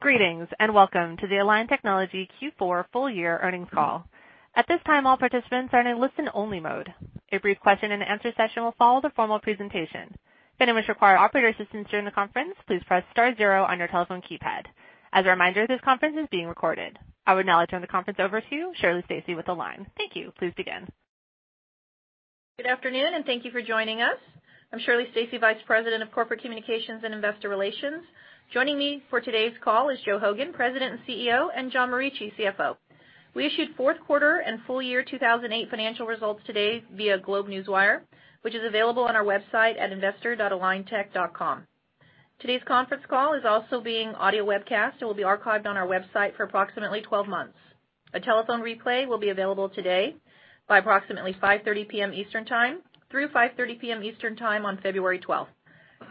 Greetings, and welcome to the Align Technology Q4 full year earnings call. At this time, all participants are in listen only mode. A brief question and answer session will follow the formal presentation. If anyone requires operator assistance during the conference, please press star zero on your telephone keypad. As a reminder, this conference is being recorded. I would now like to turn the conference over to Shirley Stacy with Align. Thank you. Please begin. Good afternoon. Thank you for joining us. I'm Shirley Stacy, Vice President, Corporate Communications and Investor Relations. Joining me for today's call is Joe Hogan, President and CEO, and John Morici, CFO. We issued fourth quarter and full year 2018 financial results today via GlobeNewswire, which is available on our website at investor.aligntech.com. Today's conference call is also being audio webcast. It will be archived on our website for approximately 12 months. A telephone replay will be available today by approximately 5:30 P.M. Eastern Time through 5:30 P.M. Eastern Time on February 12th.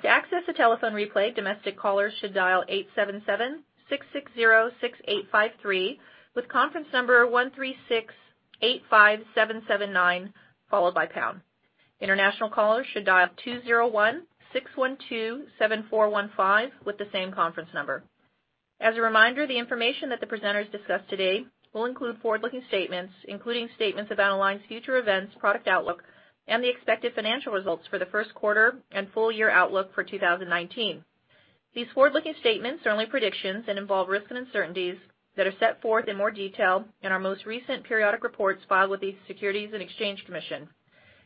To access the telephone replay, domestic callers should dial 877-660-6853 with conference number 13685779 followed by pound. International callers should dial 201-612-7415 with the same conference number. As a reminder, the information that the presenters discuss today will include forward-looking statements, including statements about Align's future events, product outlook, and the expected financial results for the first quarter and full year outlook for 2019. These forward-looking statements are only predictions and involve risks and uncertainties that are set forth in more detail in our most recent periodic reports filed with the Securities and Exchange Commission.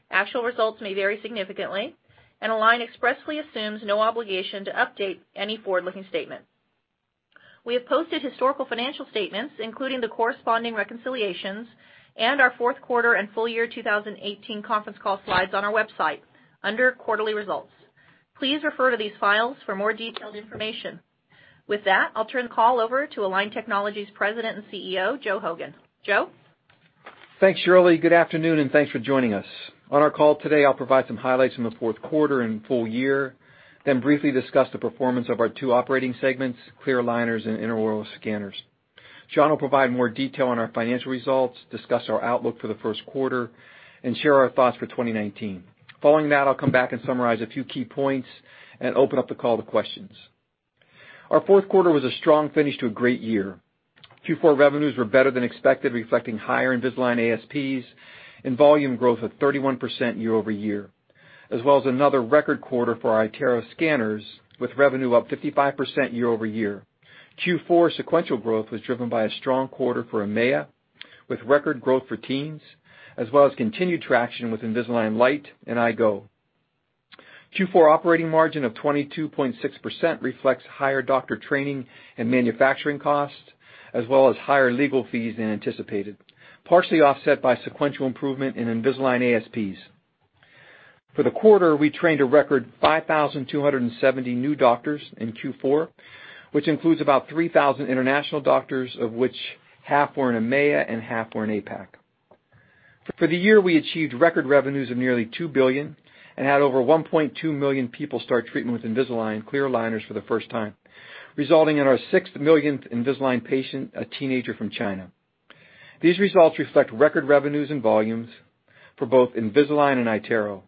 Actual results may vary significantly. Align expressly assumes no obligation to update any forward-looking statement. We have posted historical financial statements, including the corresponding reconciliations and our fourth quarter and full year 2018 conference call slides on our website under quarterly results. Please refer to these files for more detailed information. With that, I'll turn the call over to Align Technology's President and CEO, Joe Hogan. Joe? Thanks, Shirley. Good afternoon. Thanks for joining us. On our call today, I'll provide some highlights from the fourth quarter and full year. Then, I'll briefly discuss the performance of our two operating segments, clear aligners and intraoral scanners. John will provide more detail on our financial results, discuss our outlook for the first quarter, and share our thoughts for 2019. Following that, I'll come back and summarize a few key points and open up the call to questions. Our fourth quarter was a strong finish to a great year. Q4 revenues were better than expected, reflecting higher Invisalign ASPs and volume growth of 31% year-over-year, as well as another record quarter for iTero scanners, with revenue up 55% year-over-year. Q4 sequential growth was driven by a strong quarter for EMEA with record growth for teens, as well as continued traction with Invisalign Lite and iGo. Q4 operating margin of 22.6% reflects higher doctor training and manufacturing costs, as well as higher legal fees than anticipated, partially offset by sequential improvement in Invisalign ASPs. For the quarter, we trained a record 5,270 new doctors in Q4, which includes about 3,000 international doctors, of which half were in EMEA and half were in APAC. For the year, we achieved record revenues of nearly $2 billion and had over 1.2 million people start treatment with Invisalign clear aligners for the first time, resulting in our sixth millionth Invisalign patient, a teenager from China. These results reflect record revenues and volumes for both Invisalign and iTero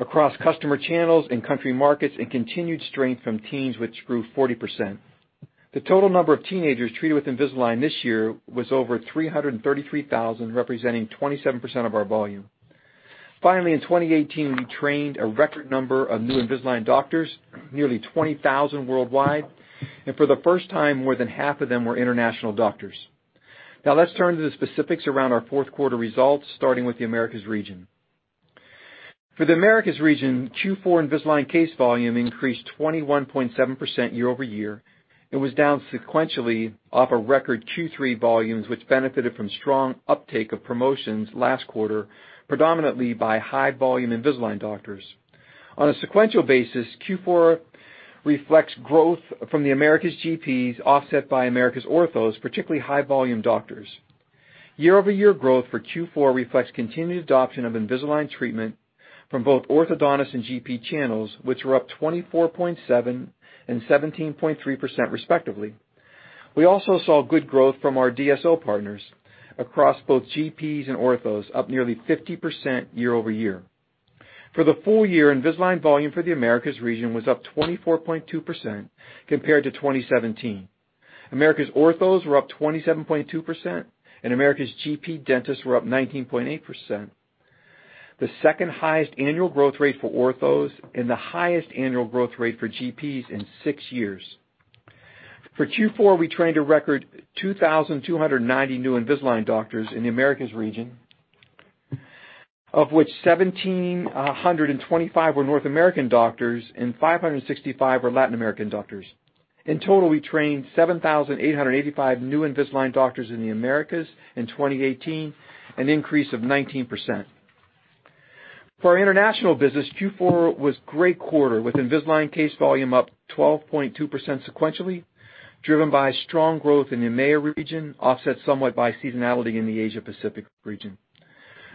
across customer channels and country markets, and continued strength from teens, which grew 40%. The total number of teenagers treated with Invisalign this year was over 333,000, representing 27% of our volume. In 2018, we trained a record number of new Invisalign doctors, nearly 20,000 worldwide, and for the first time, more than half of them were international doctors. Let's turn to the specifics around our fourth quarter results, starting with the Americas region. For the Americas region, Q4 Invisalign case volume increased 21.7% year-over-year and was down sequentially off of record Q3 volumes, which benefited from strong uptake of promotions last quarter, predominantly by high volume Invisalign doctors. On a sequential basis, Q4 reflects growth from the Americas GPs offset by Americas orthos, particularly high volume doctors. Year-over-year growth for Q4 reflects continued adoption of Invisalign treatment from both orthodontist and GP channels, which were up 24.7% and 17.3% respectively. We also saw good growth from our DSO partners across both GPs and orthos, up nearly 50% year-over-year. For the full year, Invisalign volume for the Americas region was up 24.2% compared to 2017. Americas orthos were up 27.2%, and Americas GP dentists were up 19.8%, the second highest annual growth rate for orthos and the highest annual growth rate for GPs in six years. For Q4, we trained a record 2,290 new Invisalign doctors in the Americas region, of which 1,725 were North American doctors and 565 were Latin American doctors. In total, we trained 7,885 new Invisalign doctors in the Americas in 2018, an increase of 19%. For our international business, Q4 was a great quarter with Invisalign case volume up 12.2% sequentially, driven by strong growth in the EMEA region, offset somewhat by seasonality in the Asia Pacific region.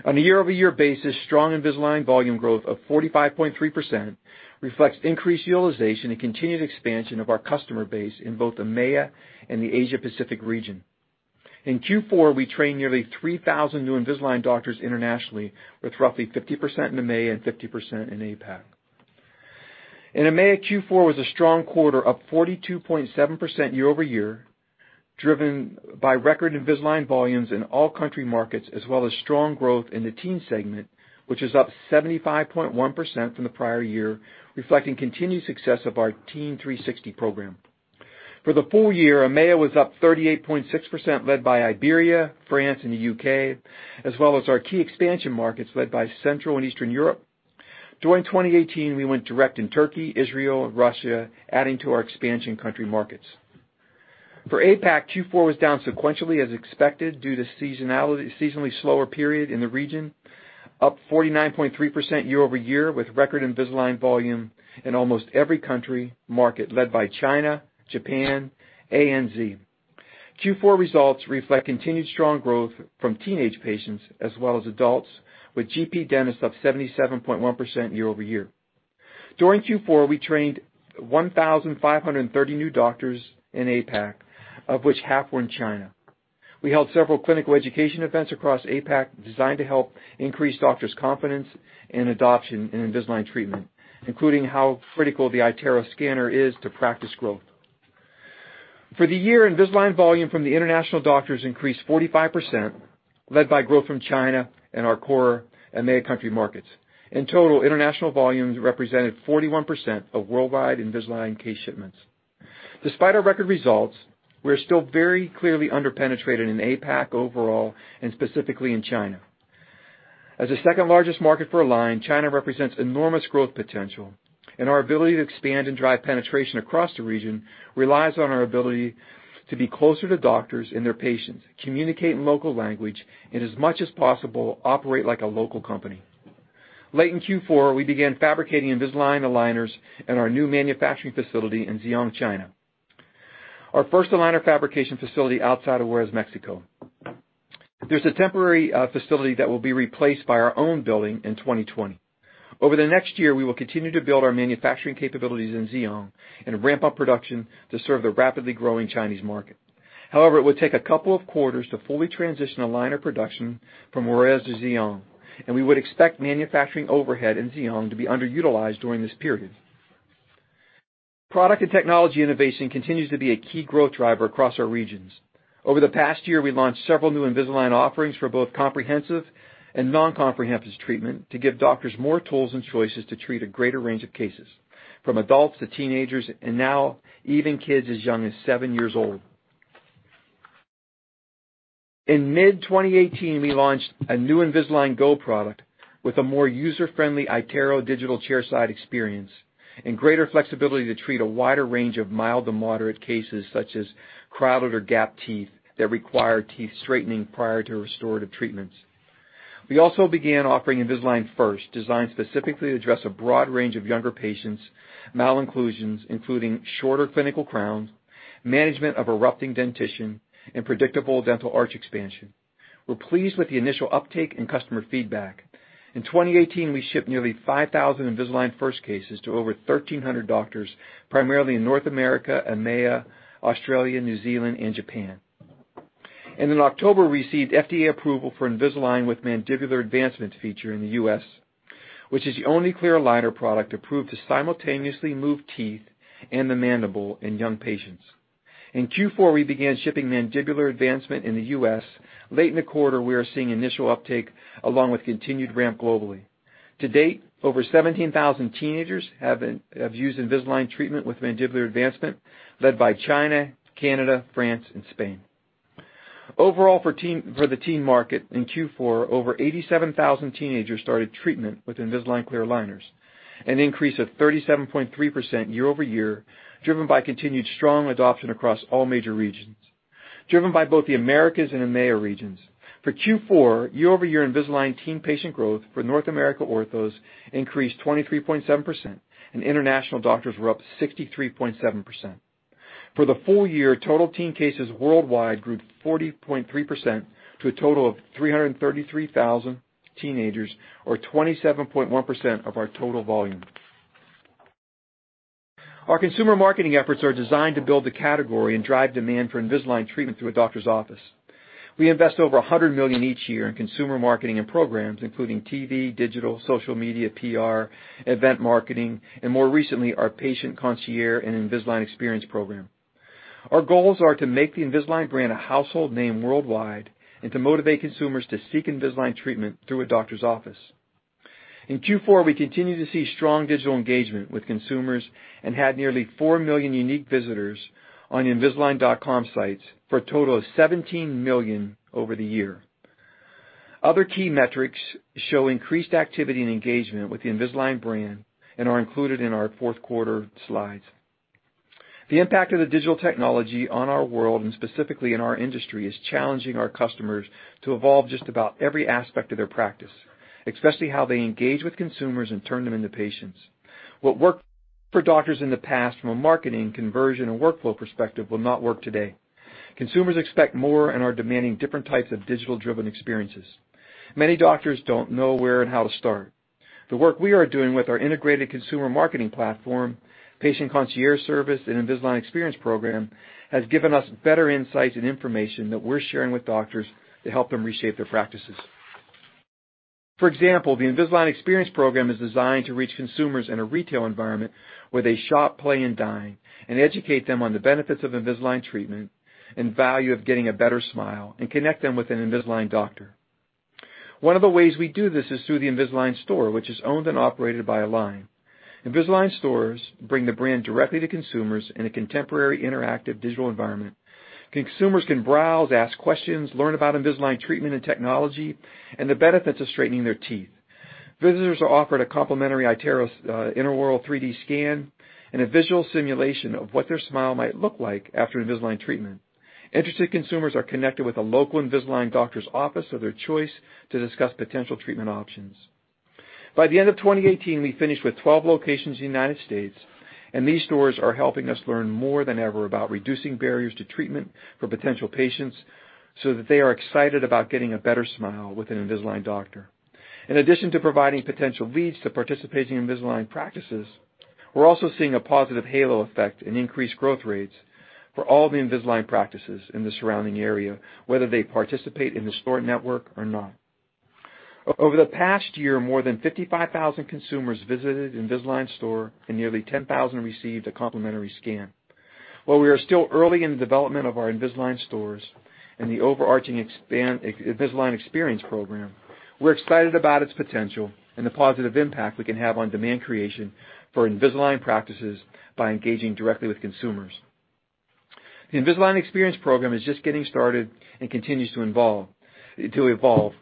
On a year-over-year basis, strong Invisalign volume growth of 45.3% reflects increased utilization and continued expansion of our customer base in both EMEA and the Asia Pacific region. In Q4, we trained nearly 3,000 new Invisalign doctors internationally, with roughly 50% in EMEA and 50% in APAC. In EMEA, Q4 was a strong quarter, up 42.7% year-over-year, driven by record Invisalign volumes in all country markets as well as strong growth in the teen segment, which is up 75.1% from the prior year, reflecting continued success of our Teen 360 program. For the full year, EMEA was up 38.6%, led by Iberia, France, and the U.K., as well as our key expansion markets led by Central and Eastern Europe. During 2018, we went direct in Turkey, Israel, and Russia, adding to our expansion country markets. For APAC, Q4 was down sequentially as expected due to seasonally slower period in the region, up 49.3% year-over-year with record Invisalign volume in almost every country market led by China, Japan, ANZ. Q4 results reflect continued strong growth from teenage patients as well as adults, with GP dentists up 77.1% year-over-year. During Q4, we trained 1,530 new doctors in APAC, of which half were in China. We held several clinical education events across APAC designed to help increase doctors' confidence and adoption in Invisalign treatment, including how critical the iTero scanner is to practice growth. For the year, Invisalign volume from the international doctors increased 45%, led by growth from China and our core EMEA country markets. In total, international volumes represented 41% of worldwide Invisalign case shipments. Despite our record results, we are still very clearly under-penetrated in APAC overall, and specifically in China. As the second-largest market for Align, China represents enormous growth potential. Our ability to expand and drive penetration across the region relies on our ability to be closer to doctors and their patients, communicate in local language, and as much as possible, operate like a local company. Late in Q4, we began fabricating Invisalign aligners in our new manufacturing facility in Ziyang, China, our first aligner fabrication facility outside of Juarez, Mexico. There is a temporary facility that will be replaced by our own building in 2020. Over the next year, we will continue to build our manufacturing capabilities in Ziyang and ramp up production to serve the rapidly growing Chinese market. However, it will take a couple of quarters to fully transition aligner production from Juarez to Ziyang, and we would expect manufacturing overhead in Ziyang to be underutilized during this period. Product and technology innovation continues to be a key growth driver across our regions. Over the past year, we launched several new Invisalign offerings for both comprehensive and non-comprehensive treatment to give doctors more tools and choices to treat a greater range of cases, from adults to teenagers, and now even kids as young as seven years old. In mid-2018, we launched a new Invisalign Go product with a more user-friendly iTero digital chair side experience and greater flexibility to treat a wider range of mild to moderate cases, such as crowded or gapped teeth that require teeth straightening prior to restorative treatments. We also began offering Invisalign First, designed specifically to address a broad range of younger patients' malocclusions, including shorter clinical crowns, management of erupting dentition, and predictable dental arch expansion. We are pleased with the initial uptake and customer feedback. In 2018, we shipped nearly 5,000 Invisalign First cases to over 1,300 doctors, primarily in North America, EMEA, Australia, New Zealand, and Japan. In October, we received FDA approval for Invisalign with Mandibular Advancement feature in the U.S., which is the only clear aligner product approved to simultaneously move teeth and the mandible in young patients. In Q4, we began shipping Mandibular Advancement in the U.S. Late in the quarter, we are seeing initial uptake along with continued ramp globally. To date, over 17,000 teenagers have used Invisalign treatment with Mandibular Advancement, led by China, Canada, France, and Spain. Overall, for the teen market in Q4, over 87,000 teenagers started treatment with Invisalign clear aligners, an increase of 37.3% year-over-year, driven by continued strong adoption across all major regions, driven by both the Americas and EMEA regions. For Q4, year-over-year Invisalign teen patient growth for North America orthos increased 23.7%, and international doctors were up 63.7%. For the full year, total teen cases worldwide grew 40.3% to a total of 333,000 teenagers or 27.1% of our total volume. Our consumer marketing efforts are designed to build the category and drive demand for Invisalign treatment through a doctor's office. We invest over $100 million each year in consumer marketing and programs, including TV, digital, social media, PR, event marketing, and more recently, our patient concierge and Invisalign Experience program. Our goals are to make the Invisalign brand a household name worldwide and to motivate consumers to seek Invisalign treatment through a doctor's office. In Q4, we continued to see strong digital engagement with consumers and had nearly 4 million unique visitors on invisalign.com sites for a total of 17 million over the year. Other key metrics show increased activity and engagement with the Invisalign brand and are included in our fourth quarter slides. The impact of the digital technology on our world and specifically in our industry is challenging our customers to evolve just about every aspect of their practice, especially how they engage with consumers and turn them into patients. What worked for doctors in the past from a marketing, conversion, and workflow perspective will not work today. Consumers expect more and are demanding different types of digital-driven experiences. Many doctors don't know where and how to start. The work we are doing with our integrated consumer marketing platform, patient concierge service, and Invisalign Experience program has given us better insights and information that we're sharing with doctors to help them reshape their practices. For example, the Invisalign Experience program is designed to reach consumers in a retail environment where they shop, play, and dine, and educate them on the benefits of Invisalign treatment and value of getting a better smile and connect them with an Invisalign doctor. One of the ways we do this is through the Invisalign store, which is owned and operated by Align. Invisalign stores bring the brand directly to consumers in a contemporary interactive digital environment. Consumers can browse, ask questions, learn about Invisalign treatment and technology, and the benefits of straightening their teeth. Visitors are offered a complimentary iTero intraoral 3D scan and a visual simulation of what their smile might look like after Invisalign treatment. Interested consumers are connected with a local Invisalign doctor's office of their choice to discuss potential treatment options. By the end of 2018, we finished with 12 locations in the United States. These stores are helping us learn more than ever about reducing barriers to treatment for potential patients so that they are excited about getting a better smile with an Invisalign doctor. In addition to providing potential leads to participating Invisalign practices, we're also seeing a positive halo effect and increased growth rates for all the Invisalign practices in the surrounding area, whether they participate in the store network or not. Over the past year, more than 55,000 consumers visited Invisalign store, and nearly 10,000 received a complimentary scan. While we are still early in the development of our Invisalign stores and the overarching Invisalign Experience program, we're excited about its potential and the positive impact we can have on demand creation for Invisalign practices by engaging directly with consumers. The Invisalign Experience program is just getting started and continues to evolve.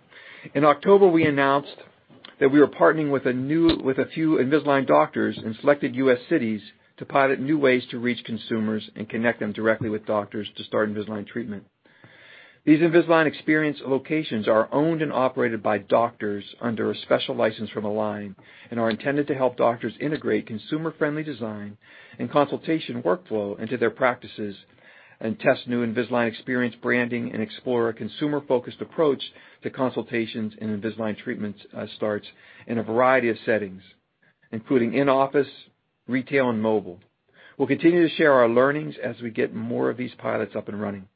In October, we announced that we are partnering with a few Invisalign doctors in selected U.S. cities to pilot new ways to reach consumers and connect them directly with doctors to start Invisalign treatment. These Invisalign Experience locations are owned and operated by doctors under a special license from Align and are intended to help doctors integrate consumer-friendly design and consultation workflow into their practices and test new Invisalign Experience branding and explore a consumer-focused approach to consultations and Invisalign treatment starts in a variety of settings, including in-office, retail, and mobile. We'll continue to share our learnings as we get more of these pilots up and running.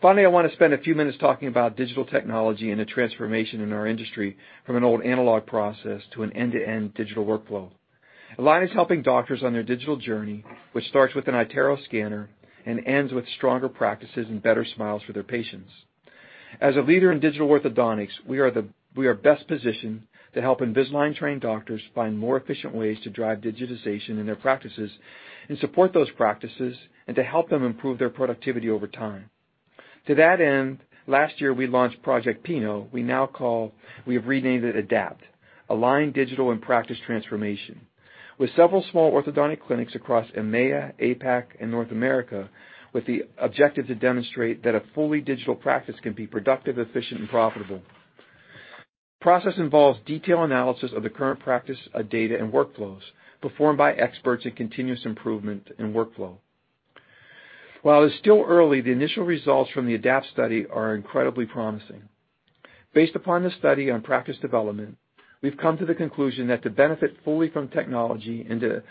Finally, I want to spend a few minutes talking about digital technology and the transformation in our industry from an old analog process to an end-to-end digital workflow. Align is helping doctors on their digital journey, which starts with an iTero scanner and ends with stronger practices and better smiles for their patients. As a leader in digital orthodontics, we are best positioned to help Invisalign-trained doctors find more efficient ways to drive digitization in their practices and support those practices and to help them improve their productivity over time. To that end, last year, we launched Project Pinot, we have renamed it ADAPT, Align Digital and Practice Transformation. With several small orthodontic clinics across EMEA, APAC, and North America, with the objective to demonstrate that a fully digital practice can be productive, efficient, and profitable. The process involves detailed analysis of the current practice of data and workflows performed by experts in continuous improvement in workflow. While it's still early, the initial results from the ADAPT study are incredibly promising. Based upon the study on practice development, we've come to the conclusion that to benefit fully from technology and to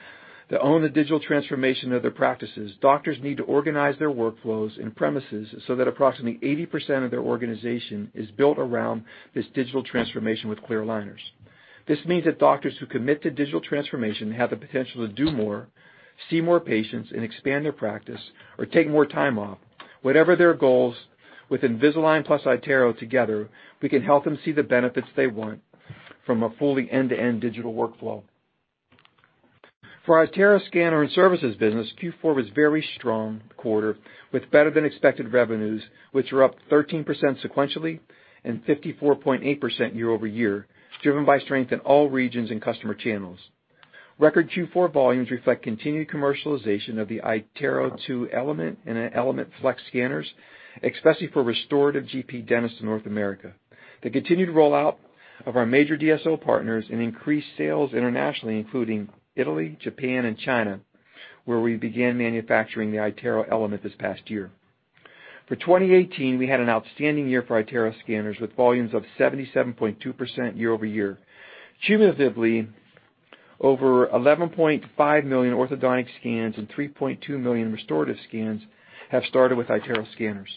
own the digital transformation of their practices, doctors need to organize their workflows and premises so that approximately 80% of their organization is built around this digital transformation with clear aligners. This means that doctors who commit to digital transformation have the potential to do more, see more patients, and expand their practice or take more time off. Whatever their goals, with Invisalign plus iTero together, we can help them see the benefits they want from a fully end-to-end digital workflow. For our iTero scanner and services business, Q4 was very strong quarter with better than expected revenues, which were up 13% sequentially and 54.8% year-over-year, driven by strength in all regions and customer channels. Record Q4 volumes reflect continued commercialization of the iTero2 Element and Element Flex scanners, especially for restorative GP dentists in North America. The continued rollout of our major DSO partners and increased sales internationally, including Italy, Japan, and China, where we began manufacturing the iTero Element this past year. For 2018, we had an outstanding year for iTero scanners with volumes up 77.2% year-over-year. Cumulatively, over 11.5 million orthodontic scans and 3.2 million restorative scans have started with iTero scanners.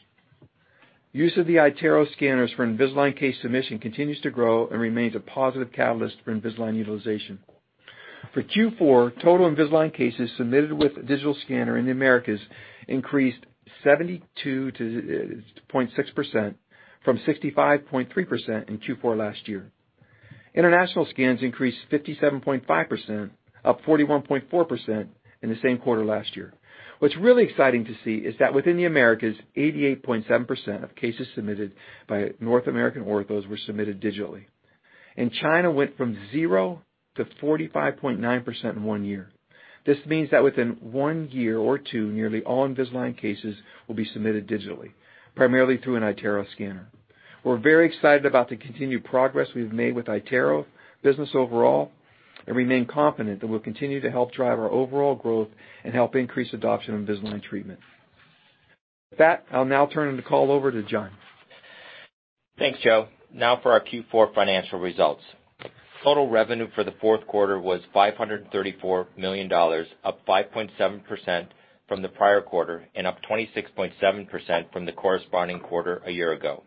Use of the iTero scanners for Invisalign case submission continues to grow and remains a positive catalyst for Invisalign utilization. For Q4, total Invisalign cases submitted with a digital scanner in the Americas increased 72.6%, from 65.3% in Q4 last year. International scans increased 57.5%, up 41.4% in the same quarter last year. What's really exciting to see is that within the Americas, 88.7% of cases submitted by North American orthos were submitted digitally, and China went from 0% to 45.9% in one year. This means that within one year or two, nearly all Invisalign cases will be submitted digitally, primarily through an iTero scanner. We're very excited about the continued progress we've made with iTero business overall and remain confident that we'll continue to help drive our overall growth and help increase adoption of Invisalign treatment. With that, I'll now turn the call over to John. Thanks, Joe. For our Q4 financial results. Total revenue for the fourth quarter was $534 million, up 5.7% from the prior quarter, and up 26.7% from the corresponding quarter a year ago.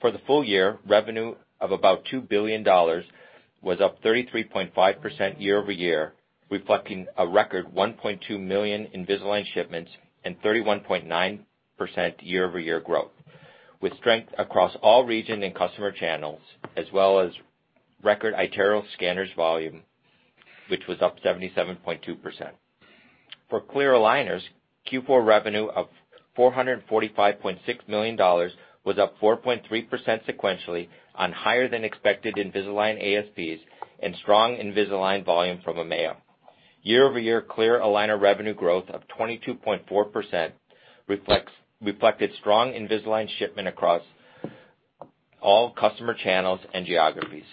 For the full year, revenue of about $2 billion was up 33.5% year-over-year, reflecting a record 1.2 million Invisalign shipments and 31.9% year-over-year growth, with strength across all region and customer channels, as well as record iTero scanners volume, which was up 77.2%. For clear aligners, Q4 revenue of $445.6 million was up 4.3% sequentially on higher than expected Invisalign ASPs and strong Invisalign volume from EMEA. Year-over-year clear aligner revenue growth of 22.4% reflected strong Invisalign shipment across all customer channels and geographies.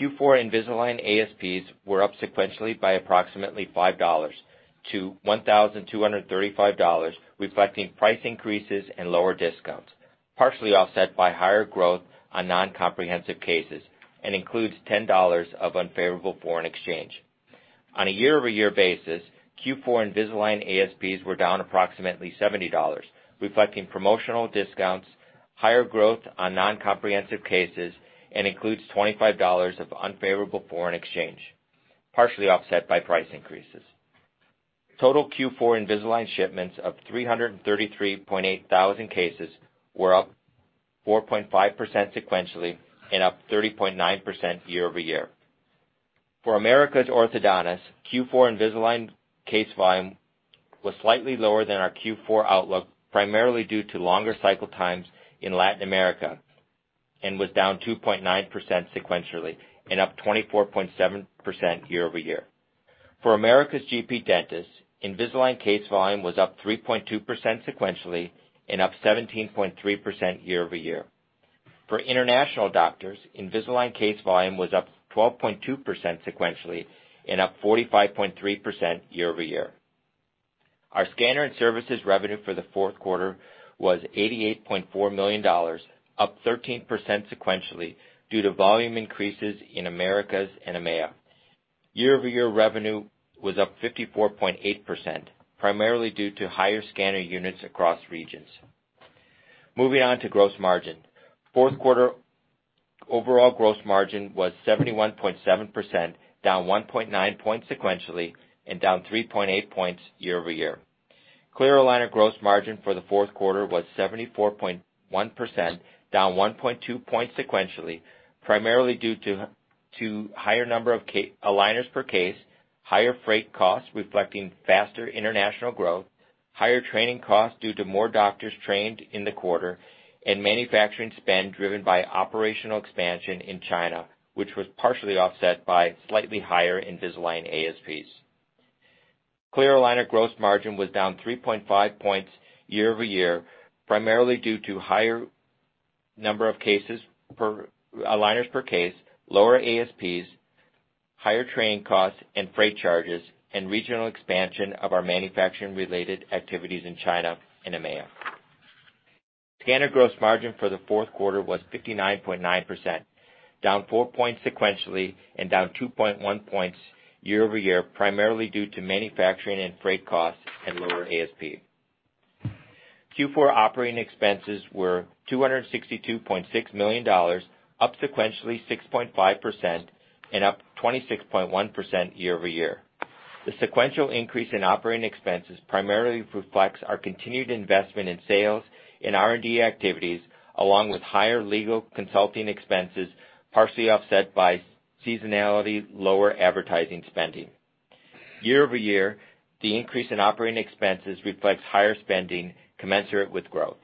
Q4 Invisalign ASPs were up sequentially by approximately $5 to $1,235, reflecting price increases and lower discounts, partially offset by higher growth on non-comprehensive cases and includes $10 of unfavorable foreign exchange. On a year-over-year basis, Q4 Invisalign ASPs were down approximately $70, reflecting promotional discounts, higher growth on non-comprehensive cases, and includes $25 of unfavorable foreign exchange, partially offset by price increases. Total Q4 Invisalign shipments of 333.8 thousand cases were up 4.5% sequentially and up 30.9% year-over-year. For Americas orthodontists, Q4 Invisalign case volume was slightly lower than our Q4 outlook, primarily due to longer cycle times in Latin America, and was down 2.9% sequentially and up 24.7% year-over-year. For Americas GP dentists, Invisalign case volume was up 3.2% sequentially and up 17.3% year-over-year. For international doctors, Invisalign case volume was up 12.2% sequentially and up 45.3% year-over-year. Our scanner and services revenue for the fourth quarter was $88.4 million, up 13% sequentially due to volume increases in Americas and EMEA. Year-over-year revenue was up 54.8%, primarily due to higher scanner units across regions. On to gross margin. Fourth quarter overall gross margin was 71.7%, down 1.9 points sequentially and down 3.8 points year-over-year. Clear aligner gross margin for the fourth quarter was 74.1%, down 1.2 points sequentially, primarily due to higher number of aligners per case, higher freight costs reflecting faster international growth, higher training costs due to more doctors trained in the quarter, and manufacturing spend driven by operational expansion in China, which was partially offset by slightly higher Invisalign ASPs. Clear aligner gross margin was down 3.5 points year-over-year, primarily due to higher number of aligners per case, lower ASPs, higher training costs and freight charges, and regional expansion of our manufacturing-related activities in China and EMEA. Scanner gross margin for the fourth quarter was 59.9%, down four points sequentially and down 2.1 points year-over-year, primarily due to manufacturing and freight costs and lower ASP. Q4 operating expenses were $262.6 million, up sequentially 6.5% and up 26.1% year-over-year. The sequential increase in operating expenses primarily reflects our continued investment in sales and R&D activities, along with higher legal consulting expenses, partially offset by seasonality lower advertising spending. Year-over-year, the increase in operating expenses reflects higher spending commensurate with growth.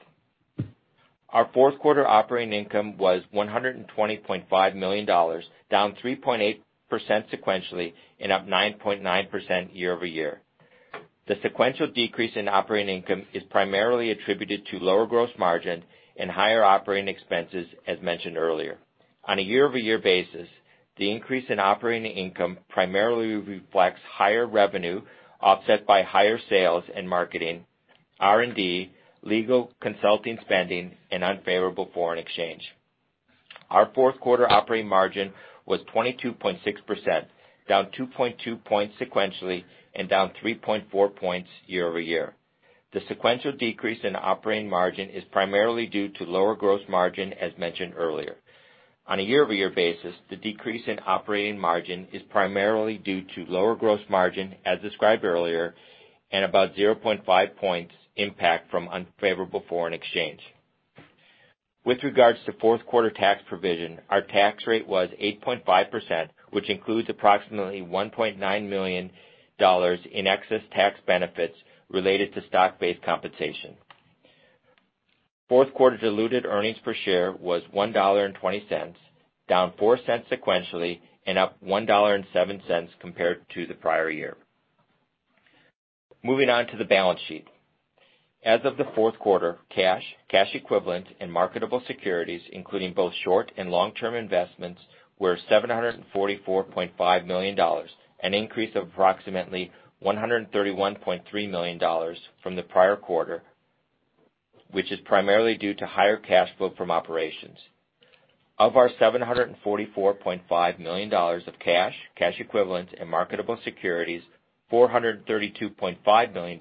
Our fourth quarter operating income was $120.5 million, down 3.8% sequentially and up 9.9% year-over-year. The sequential decrease in operating income is primarily attributed to lower gross margin and higher operating expenses, as mentioned earlier. On a year-over-year basis, the increase in operating income primarily reflects higher revenue offset by higher sales and marketing, R&D, legal consulting spending, and unfavorable foreign exchange. Our fourth quarter operating margin was 22.6%, down 2.2 points sequentially and down 3.4 points year-over-year. The sequential decrease in operating margin is primarily due to lower gross margin, as mentioned earlier. On a year-over-year basis, the decrease in operating margin is primarily due to lower gross margin, as described earlier, and about 0.5 points impact from unfavorable foreign exchange. With regards to fourth quarter tax provision, our tax rate was 8.5%, which includes approximately $1.9 million in excess tax benefits related to stock-based compensation. Fourth quarter diluted earnings per share was $1.20, down $0.04 sequentially and up $1.07 compared to the prior year. Moving on to the balance sheet. As of the fourth quarter, cash equivalents, and marketable securities, including both short and long-term investments, were $744.5 million, an increase of approximately $131.3 million from the prior quarter. Which is primarily due to higher cash flow from operations. Of our $744.5 million of cash equivalents and marketable securities, $432.5 million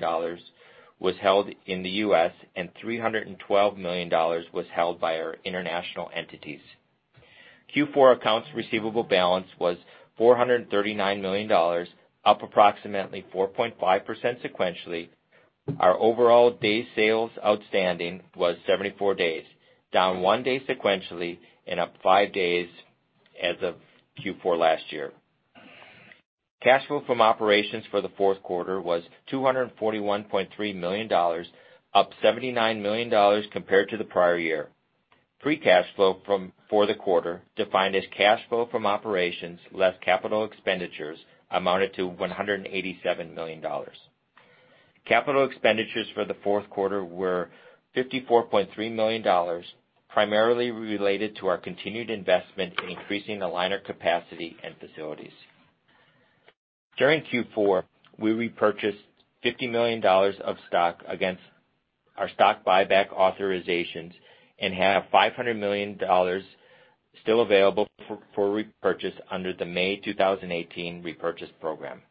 was held in the U.S. and $312 million was held by our international entities. Q4 accounts receivable balance was $439 million, up approximately 4.5% sequentially. Our overall day sales outstanding was 74 days, down one day sequentially and up five days as of Q4 last year. Cash flow from operations for the fourth quarter was $241.3 million, up $79 million compared to the prior year. Free cash flow for the quarter, defined as cash flow from operations less capital expenditures, amounted to $187 million. Capital expenditures for the fourth quarter were $54.3 million, primarily related to our continued investment in increasing aligner capacity and facilities. During Q4, we repurchased $50 million of stock against our stock buyback authorizations and have $500 million still available for repurchase under the May 2018 repurchase program.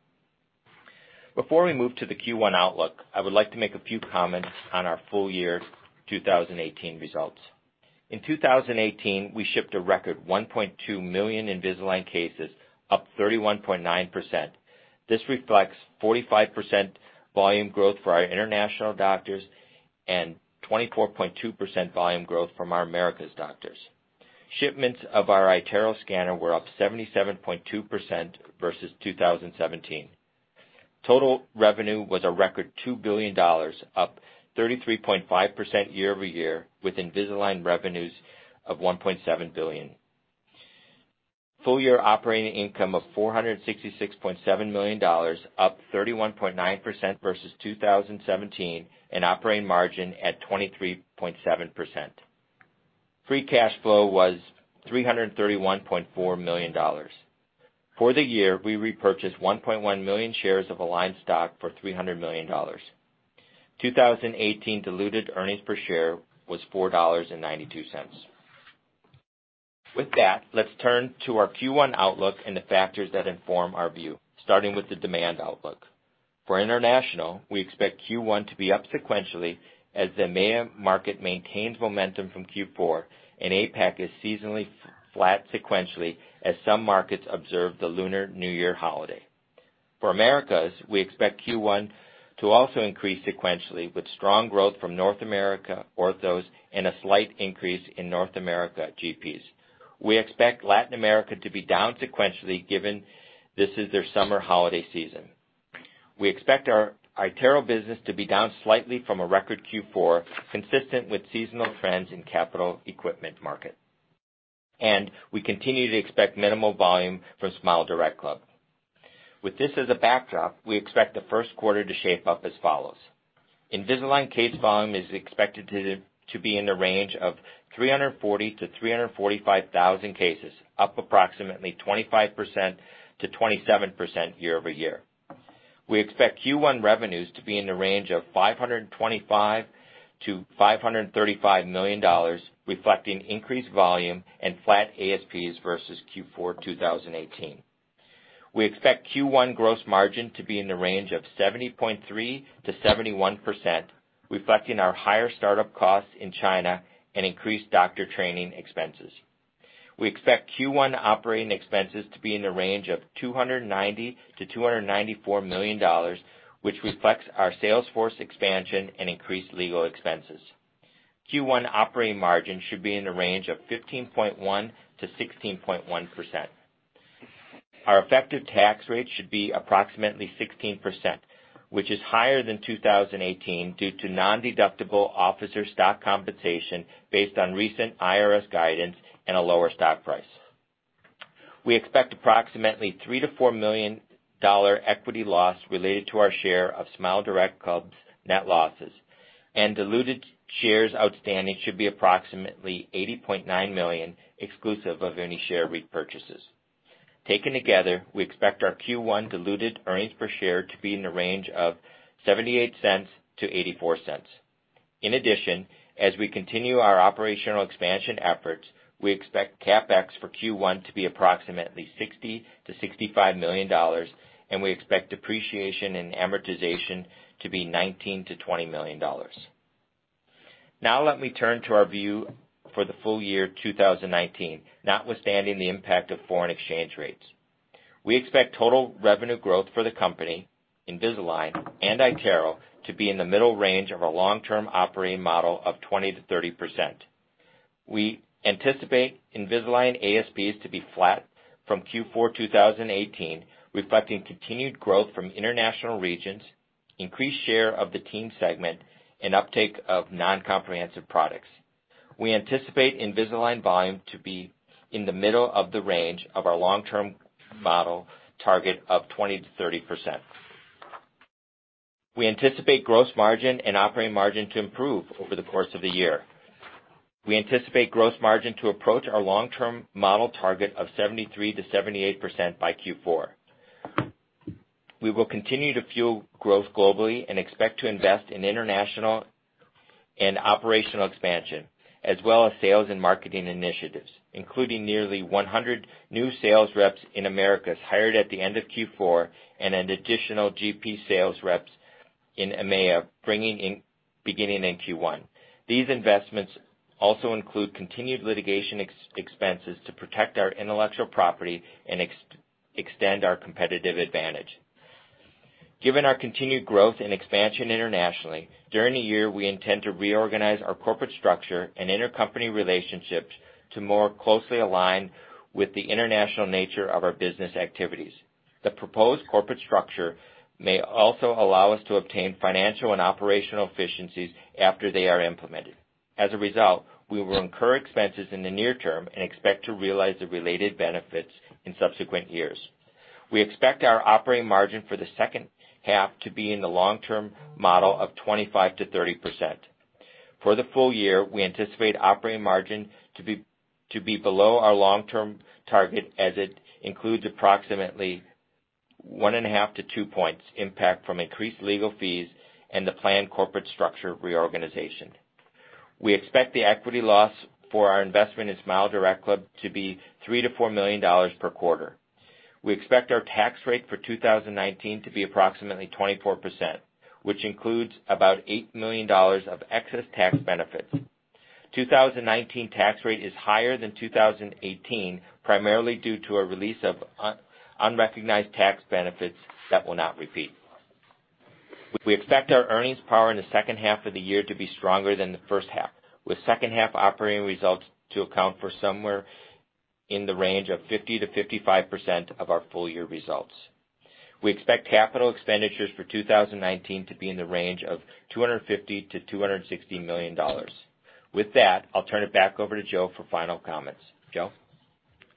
Before we move to the Q1 outlook, I would like to make a few comments on our full year 2018 results. In 2018, we shipped a record 1.2 million Invisalign cases, up 31.9%. This reflects 45% volume growth for our international doctors and 24.2% volume growth from our Americas doctors. Shipments of our iTero scanner were up 77.2% versus 2017. Total revenue was a record $2 billion, up 33.5% year-over-year, with Invisalign revenues of $1.7 billion. Full year operating income of $466.7 million, up 31.9% versus 2017, and operating margin at 23.7%. Free cash flow was $331.4 million. For the year, we repurchased 1.1 million shares of Align stock for $300 million. 2018 diluted earnings per share was $4.92. With that, let's turn to our Q1 outlook and the factors that inform our view, starting with the demand outlook. For international, we expect Q1 to be up sequentially as the EMEA market maintains momentum from Q4 and APAC is seasonally flat sequentially as some markets observe the Lunar New Year holiday. For Americas, we expect Q1 to also increase sequentially with strong growth from North America orthos and a slight increase in North America GPs. We expect Latin America to be down sequentially given this is their summer holiday season. We expect our iTero business to be down slightly from a record Q4, consistent with seasonal trends in capital equipment market. We continue to expect minimal volume from SmileDirectClub. With this as a backdrop, we expect the first quarter to shape up as follows. Invisalign case volume is expected to be in the range of 340,000-345,000 cases, up approximately 25%-27% year-over-year. We expect Q1 revenues to be in the range of $525 million-$535 million, reflecting increased volume and flat ASPs versus Q4 2018. We expect Q1 gross margin to be in the range of 70.3%-71%, reflecting our higher startup costs in China and increased doctor training expenses. We expect Q1 operating expenses to be in the range of $290 million-$294 million, which reflects our sales force expansion and increased legal expenses. Q1 operating margin should be in the range of 15.1%-16.1%. Our effective tax rate should be approximately 16%, which is higher than 2018 due to nondeductible officer stock compensation based on recent IRS guidance and a lower stock price. We expect approximately $3 million-$4 million equity loss related to our share of SmileDirectClub's net losses, and diluted shares outstanding should be approximately 80.9 million, exclusive of any share repurchases. Taken together, we expect our Q1 diluted earnings per share to be in the range of $0.78-$0.84. In addition, as we continue our operational expansion efforts, we expect CapEx for Q1 to be approximately $60 million-$65 million, and we expect depreciation and amortization to be $19 million-$20 million. Now let me turn to our view for the full year 2019, notwithstanding the impact of foreign exchange rates. We expect total revenue growth for the company, Invisalign and iTero, to be in the middle range of our long-term operating model of 20%-30%. We anticipate Invisalign ASPs to be flat from Q4 2018, reflecting continued growth from international regions, increased share of the teen segment, and uptake of non-comprehensive products. We anticipate Invisalign volume to be in the middle of the range of our long-term model target of 20%-30%. We anticipate gross margin and operating margin to improve over the course of the year. We anticipate gross margin to approach our long-term model target of 73%-78% by Q4. We will continue to fuel growth globally and expect to invest in international and operational expansion, as well as sales and marketing initiatives, including nearly 100 new sales reps in Americas hired at the end of Q4 and additional GP sales reps in EMEA beginning in Q1. These investments also include continued litigation expenses to protect our intellectual property and extend our competitive advantage. Given our continued growth and expansion internationally, during the year, we intend to reorganize our corporate structure and intercompany relationships to more closely align with the international nature of our business activities. The proposed corporate structure may also allow us to obtain financial and operational efficiencies after they are implemented. As a result, we will incur expenses in the near term and expect to realize the related benefits in subsequent years. We expect our operating margin for the second half to be in the long-term model of 25%-30%. For the full year, we anticipate operating margin to be below our long-term target, as it includes approximately one and a half to two points impact from increased legal fees and the planned corporate structure reorganization. We expect the equity loss for our investment in SmileDirectClub to be $3 million-$4 million per quarter. We expect our tax rate for 2019 to be approximately 24%, which includes about $8 million of excess tax benefits. 2019 tax rate is higher than 2018, primarily due to a release of unrecognized tax benefits that will not repeat. We expect our earnings power in the second half of the year to be stronger than the first half, with second half operating results to account for somewhere in the range of 50%-55% of our full year results. We expect capital expenditures for 2019 to be in the range of $250 million-$260 million. With that, I'll turn it back over to Joe for final comments. Joe?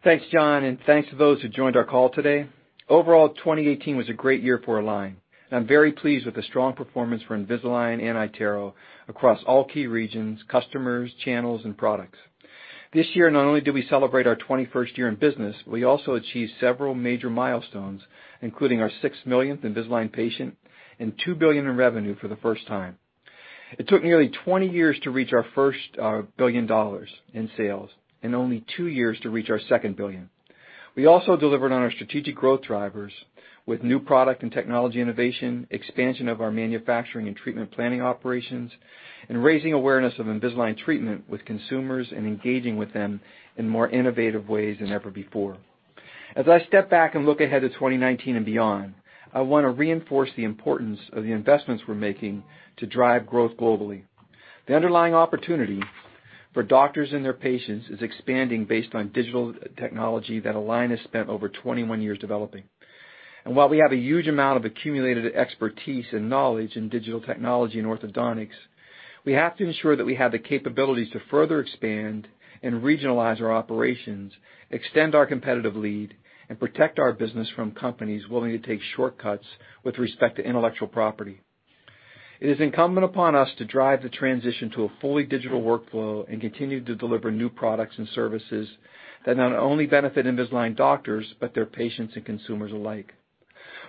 Thanks, John. Thanks to those who joined our call today. Overall, 2018 was a great year for Align, and I'm very pleased with the strong performance for Invisalign and iTero across all key regions, customers, channels, and products. This year, not only did we celebrate our 21st year in business, but we also achieved several major milestones, including our sixth millionth Invisalign patient and $2 billion in revenue for the first time. It took nearly 20 years to reach our first $1 billion in sales and only two years to reach our second $2 billion. We also delivered on our strategic growth drivers with new product and technology innovation, expansion of our manufacturing and treatment planning operations, and raising awareness of Invisalign treatment with consumers and engaging with them in more innovative ways than ever before. As I step back and look ahead to 2019 and beyond, I want to reinforce the importance of the investments we're making to drive growth globally. The underlying opportunity for doctors and their patients is expanding based on digital technology that Align has spent over 21 years developing. While we have a huge amount of accumulated expertise and knowledge in digital technology and orthodontics, we have to ensure that we have the capabilities to further expand and regionalize our operations, extend our competitive lead, and protect our business from companies willing to take shortcuts with respect to intellectual property. It is incumbent upon us to drive the transition to a fully digital workflow and continue to deliver new products and services that not only benefit Invisalign doctors, but their patients and consumers alike.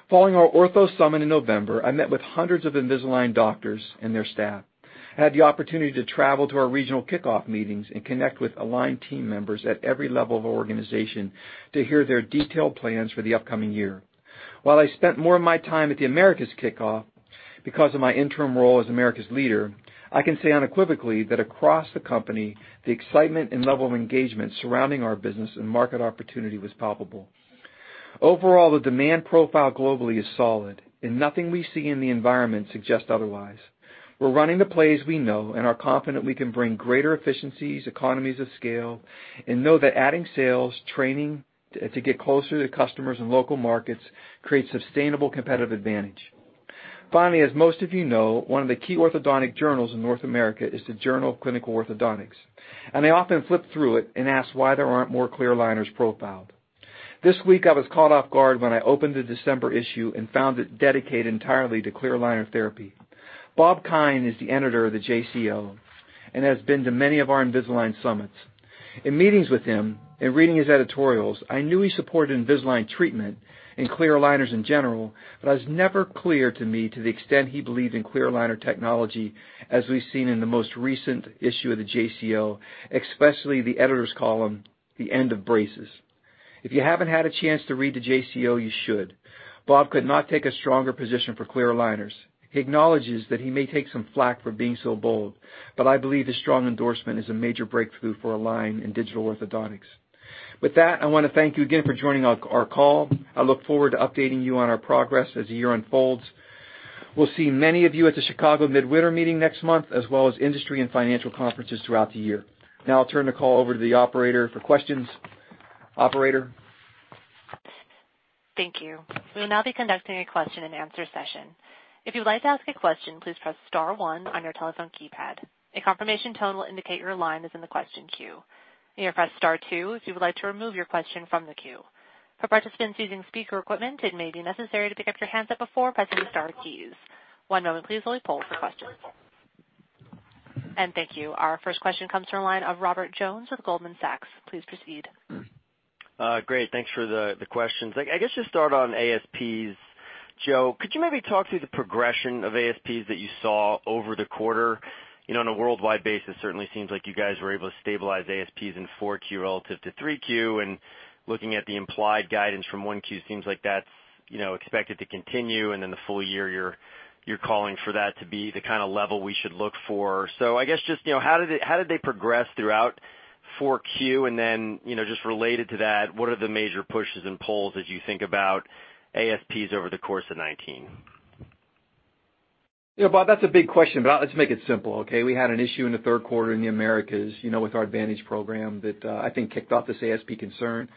Following our ortho summit in November, I met with hundreds of Invisalign doctors and their staff. I had the opportunity to travel to our regional kickoff meetings and connect with Align team members at every level of our organization to hear their detailed plans for the upcoming year. While I spent more of my time at the Americas kickoff, because of my interim role as Americas leader, I can say unequivocally that across the company, the excitement and level of engagement surrounding our business and market opportunity was palpable. Overall, the demand profile globally is solid. Nothing we see in the environment suggests otherwise. We're running the plays we know and are confident we can bring greater efficiencies, economies of scale, and know that adding sales, training to get closer to customers in local markets creates sustainable competitive advantage. Finally, as most of you know, one of the key orthodontic journals in North America is the "Journal of Clinical Orthodontics." I often flip through it and ask why there aren't more clear aligners profiled. This week, I was caught off guard when I opened the December issue and found it dedicated entirely to clear aligner therapy. Bob Keim is the editor of the JCO and has been to many of our Invisalign summits. In meetings with him and reading his editorials, I knew he supported Invisalign treatment and clear aligners in general, but it was never clear to me to the extent he believed in clear aligner technology as we've seen in the most recent issue of the JCO, especially the editor's column, "The End of Braces?" If you haven't had a chance to read the JCO, you should. Bob could not take a stronger position for clear aligners. He acknowledges that he may take some flak for being so bold. I believe his strong endorsement is a major breakthrough for Align in digital orthodontics. With that, I want to thank you again for joining our call. I look forward to updating you on our progress as the year unfolds. We'll see many of you at the Chicago Midwinter meeting next month, as well as industry and financial conferences throughout the year. I'll turn the call over to the operator for questions. Operator? Thank you. We will now be conducting a question and answer session. If you would like to ask a question, please press star one on your telephone keypad. A confirmation tone will indicate your line is in the question queue. You may press star two if you would like to remove your question from the queue. For participants using speaker equipment, it may be necessary to pick up your handset before pressing the star keys. One moment please while we poll for questions. Thank you. Our first question comes from the line of Robert Jones with Goldman Sachs. Please proceed. Great. Thanks for the questions. I guess just start on ASPs. Joe, could you maybe talk through the progression of ASPs that you saw over the quarter? On a worldwide basis, certainly seems like you guys were able to stabilize ASPs in 4Q relative to 3Q. Looking at the implied guidance from 1Q, seems like that's expected to continue, then the full year, you're calling for that to be the kind of level we should look for. I guess, just how did they progress throughout 4Q? Then, just related to that, what are the major pushes and pulls as you think about ASPs over the course of 2019? Yeah, Bob, that's a big question, let's make it simple, okay? We had an issue in the third quarter in the Americas, with our advantage program that I think kicked off this ASP concern.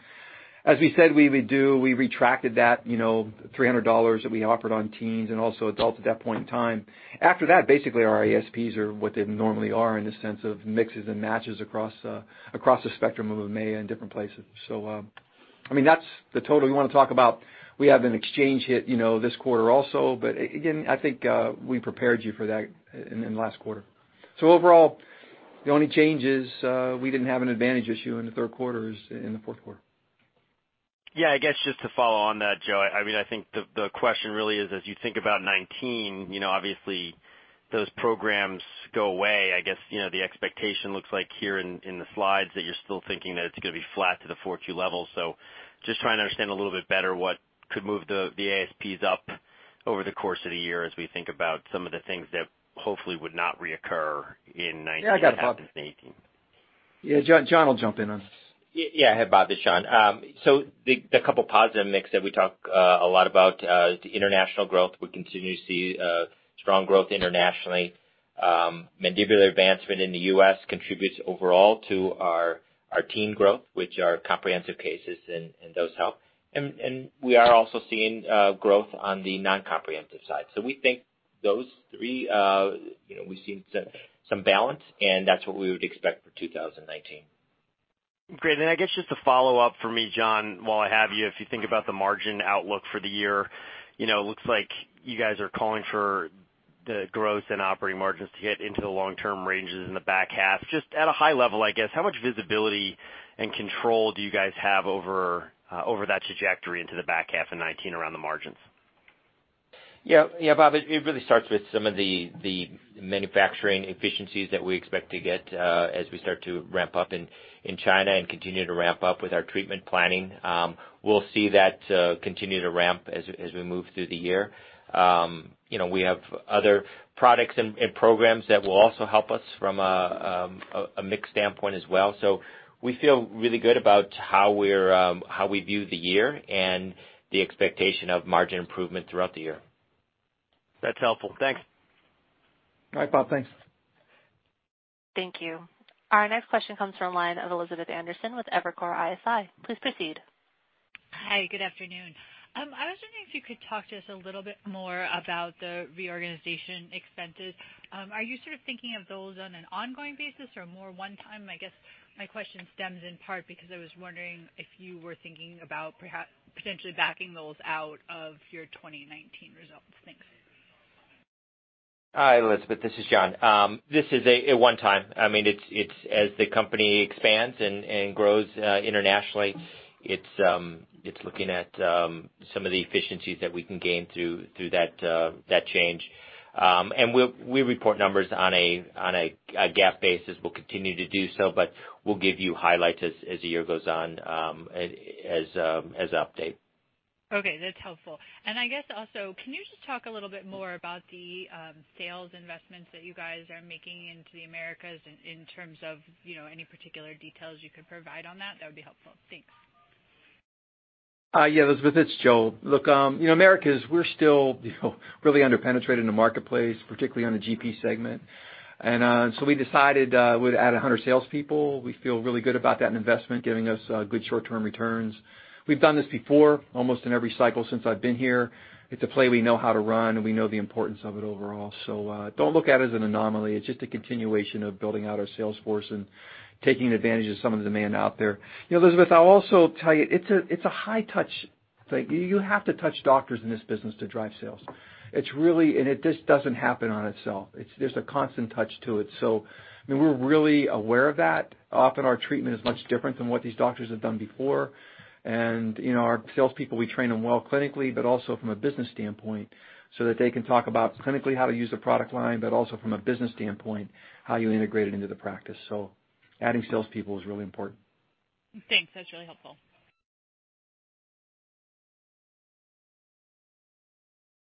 As we said we would do, we retracted that $300 that we offered on teens and also adults at that point in time. After that, basically, our ASPs are what they normally are in the sense of mixes and matches across the spectrum of MAA and different places. That's the total we want to talk about. We have an exchange hit this quarter also, again, I think, we prepared you for that in the last quarter. Overall, the only change is, we didn't have an advantage issue in the third quarter as in the fourth quarter. Yeah, I guess just to follow on that, Joe, I think the question really is, as you think about 2019, obviously those programs go away. I guess, the expectation looks like here in the slides that you're still thinking that it's going to be flat to the 4Q level. Just trying to understand a little bit better what could move the ASPs up over the course of the year as we think about some of the things that hopefully would not reoccur in 2019. Yeah, I got it, Bob. That happened in 2018. Yeah, John will jump in on this. Hi, Bob, this is John. The couple positive mix that we talk a lot about, the international growth, we continue to see strong growth internationally. Mandibular Advancement in the U.S. contributes overall to our teen growth, which are comprehensive cases, and those help. We are also seeing growth on the non-comprehensive side. We think those three, we've seen some balance, and that's what we would expect for 2019. Great. I guess just a follow-up from me, John, while I have you, if you think about the margin outlook for the year, looks like you guys are calling for the growth and operating margins to get into the long-term ranges in the back half. Just at a high level, I guess, how much visibility and control do you guys have over that trajectory into the back half of 2019 around the margins? Bob, it really starts with some of the manufacturing efficiencies that we expect to get as we start to ramp up in China and continue to ramp up with our treatment planning. We'll see that continue to ramp as we move through the year. We have other products and programs that will also help us from a mix standpoint as well. We feel really good about how we view the year and the expectation of margin improvement throughout the year. That's helpful. Thanks. All right, Bob. Thanks. Thank you. Our next question comes from the line of Elizabeth Anderson with Evercore ISI. Please proceed. Hi, good afternoon. I was wondering if you could talk to us a little bit more about the reorganization expenses. Are you sort of thinking of those on an ongoing basis or more one time? I guess my question stems in part because I was wondering if you were thinking about potentially backing those out of your 2019 results. Thanks. Hi, Elizabeth. This is John. This is a one time. We report numbers on a GAAP basis, we'll continue to do so, but we'll give you highlights as the year goes on as an update. Okay, that's helpful. I guess also, can you just talk a little bit more about the sales investments that you guys are making into the Americas in terms of any particular details you could provide on that? That would be helpful. Thanks. Yeah, Elizabeth, it's Joe. Look, Americas, we're still really under-penetrated in the marketplace, particularly on the GP segment. We decided we'd add 100 salespeople. We feel really good about that investment giving us good short-term returns. We've done this before, almost in every cycle since I've been here. It's a play we know how to run, and we know the importance of it overall. Don't look at it as an anomaly. It's just a continuation of building out our sales force and taking advantage of some of the demand out there. Elizabeth, I'll also tell you, it's a high touch thing. You have to touch doctors in this business to drive sales. It just doesn't happen on itself. There's a constant touch to it, so we're really aware of that. Often our treatment is much different than what these doctors have done before. Our salespeople, we train them well clinically, but also from a business standpoint, that they can talk about clinically how to use the product line, but also from a business standpoint, how you integrate it into the practice. Adding salespeople is really important. Thanks. That's really helpful.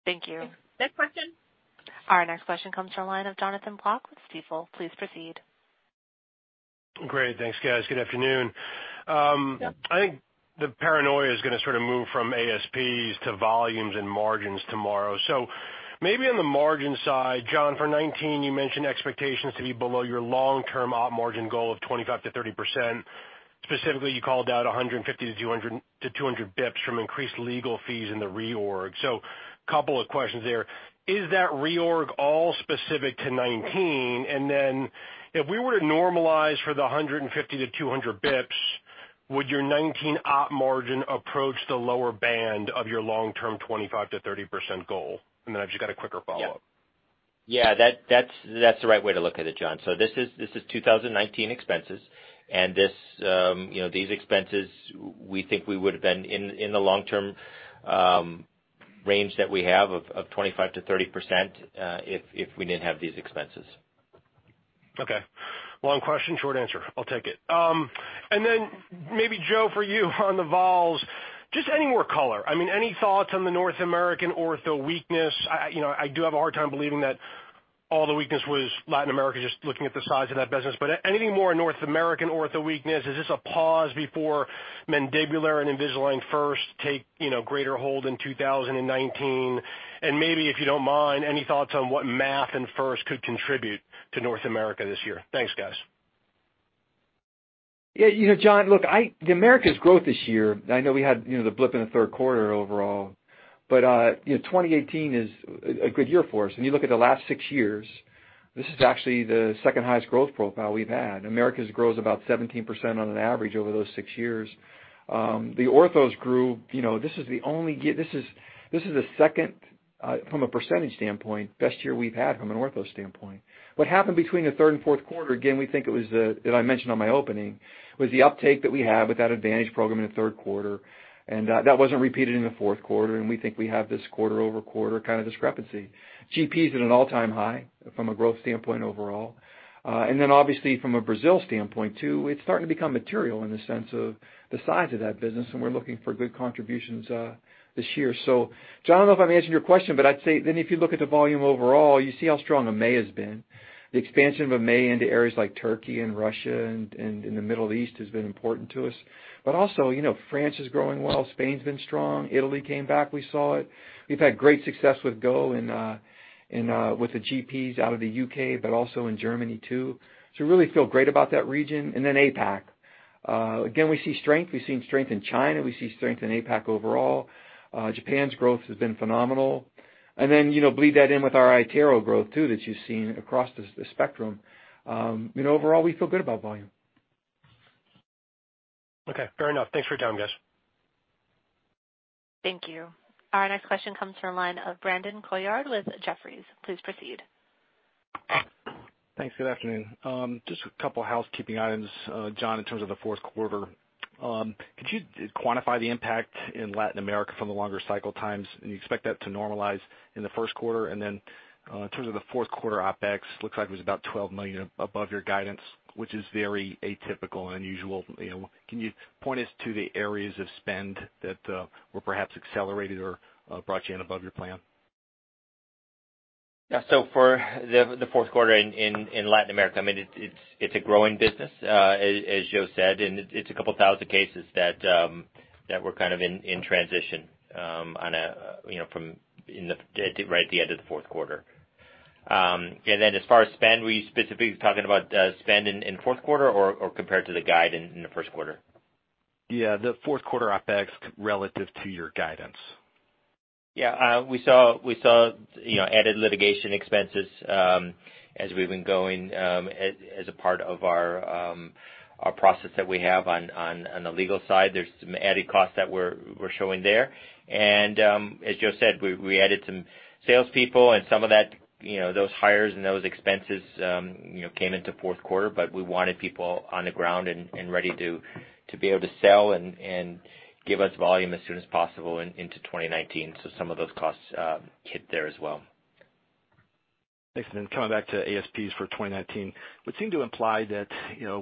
Thank you. Next question. Our next question comes from the line of Jonathan Block with Stifel. Please proceed. Great. Thanks, guys. Good afternoon. Yep. I think the paranoia is going to sort of move from ASPs to volumes and margins tomorrow. Maybe on the margin side, John, for 2019, you mentioned expectations to be below your long-term op margin goal of 25%-30%. Specifically, you called out 150-200 BPS from increased legal fees in the reorg. Couple of questions there. Is that reorg all specific to 2019? If we were to normalize for the 150-200 BPS, would your 2019 op margin approach the lower band of your long-term 25%-30% goal? I've just got a quicker follow-up. Yeah. That's the right way to look at it, John. This is 2019 expenses, and these expenses, we think we would've been in the long-term range that we have of 25%-30% if we didn't have these expenses. Okay. Long question, short answer. I'll take it. Maybe Joe, for you on the vols, just any more color. Any thoughts on the North American ortho weakness? I do have a hard time believing that all the weakness was Latin America, just looking at the size of that business. Anything more on North American ortho weakness? Is this a pause before mandibular and Invisalign First take greater hold in 2019? Maybe, if you don't mind, any thoughts on what MA and First could contribute to North America this year? Thanks, guys. Yeah, John, the Americas growth this year, I know we had the blip in the third quarter overall, 2018 is a good year for us. When you look at the last six years, this is actually the second highest growth profile we've had. Americas grows about 17% on an average over those six years. The orthos grew, this is the second, from a percentage standpoint, best year we've had from an ortho standpoint. What happened between the third and fourth quarter, again, we think it was, that I mentioned on my opening, was the uptake that we have with that Advantage program in the third quarter, and that wasn't repeated in the fourth quarter, and we think we have this quarter-over-quarter kind of discrepancy. GP is at an all-time high from a growth standpoint overall. Obviously from a Brazil standpoint too, it is starting to become material in the sense of the size of that business, and we are looking for good contributions this year. John, I don't know if I have answered your question, but I would say if you look at the volume overall, you see how strong EMEA has been. The expansion of EMEA into areas like Turkey and Russia and in the Middle East has been important to us. Also, France is growing well, Spain has been strong. Italy came back, we saw it. We have had great success with GO and with the GPs out of the U.K., but also in Germany too. We really feel great about that region. APAC. Again, we see strength. We have seen strength in China. We see strength in APAC overall. Japan's growth has been phenomenal. Bleed that in with our iTero growth too, that you have seen across the spectrum. Overall, we feel good about volume. Okay, fair enough. Thanks for your time, guys. Thank you. Our next question comes from the line of Brandon Couillard with Jefferies. Please proceed. Thanks. Good afternoon. Just a couple housekeeping items, John, in terms of the fourth quarter. Could you quantify the impact in Latin America from the longer cycle times, and you expect that to normalize in the first quarter? In terms of the fourth quarter OpEx, looks like it was about $12 million above your guidance, which is very atypical and unusual. Can you point us to the areas of spend that were perhaps accelerated or brought you in above your plan? For the fourth quarter in Latin America, it's a growing business, as Joe said, and it's 2,000 cases that were kind of in transition right at the end of the fourth quarter. As far as spend, were you specifically talking about spend in fourth quarter or compared to the guide in the first quarter? The fourth quarter OpEx relative to your guidance. We saw added litigation expenses as we've been going as a part of our process that we have on the legal side. There's some added costs that we're showing there. As Joe said, we added some salespeople and some of those hires and those expenses came into fourth quarter, but we wanted people on the ground and ready to be able to sell and give us volume as soon as possible into 2019. Some of those costs hit there as well. Thanks. Coming back to ASPs for 2019, it would seem to imply that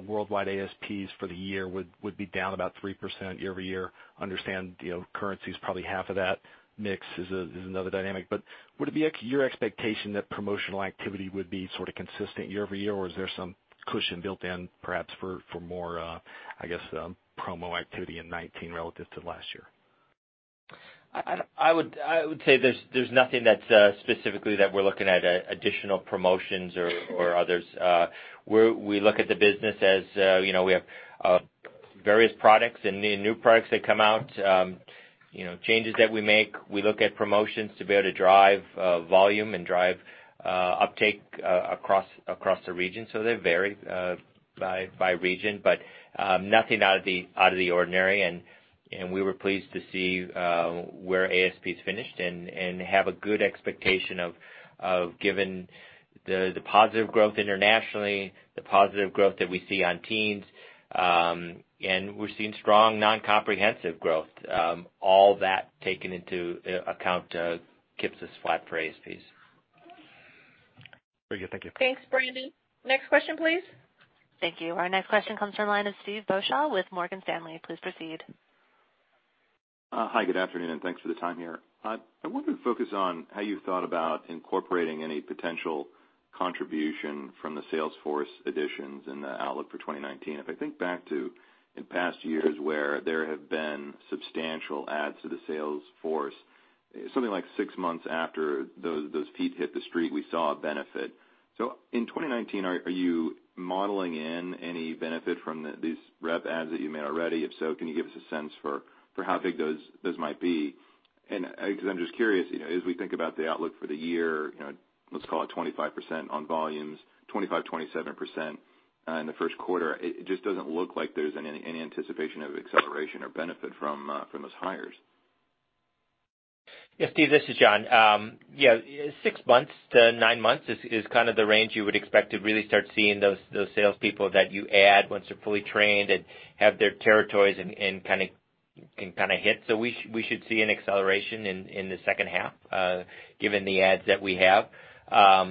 worldwide ASPs for the year would be down about 3% year-over-year. Understand currency's probably half of that, mix is another dynamic. Would it be your expectation that promotional activity would be sort of consistent year-over-year, or is there some cushion built in perhaps for more promo activity in 2019 relative to last year? I would say there's nothing that's specifically that we're looking at additional promotions or others. We look at the business as we have various products and new products that come out, changes that we make. We look at promotions to be able to drive volume and drive uptake across the region. They vary by region, but nothing out of the ordinary, and we were pleased to see where ASPs finished and have a good expectation of, given the positive growth internationally, the positive growth that we see on teens, and we're seeing strong non-comprehensive growth. All that taken into account gives us flat for ASPs. Very good. Thank you. Thanks, Brandon. Next question, please. Thank you. Our next question comes from the line of Steve Beuchaw with Morgan Stanley. Please proceed. Hi, good afternoon, and thanks for the time here. I wanted to focus on how you thought about incorporating any potential contribution from the sales force additions in the outlook for 2019. If I think back to in past years where there have been substantial adds to the sales force, something like six months after those feet hit the street, we saw a benefit. In 2019, are you modeling in any benefit from these rep adds that you made already? If so, can you give us a sense for how big those might be? I guess I'm just curious, as we think about the outlook for the year, let's call it 25% on volumes, 25%-27% in the first quarter. It just doesn't look like there's any anticipation of acceleration or benefit from those hires. Yes, Steve, this is John. Six months to nine months is kind of the range you would expect to really start seeing those salespeople that you add, once they're fully trained and have their territories and kind of hit. We should see an acceleration in the second half, given the adds that we have. As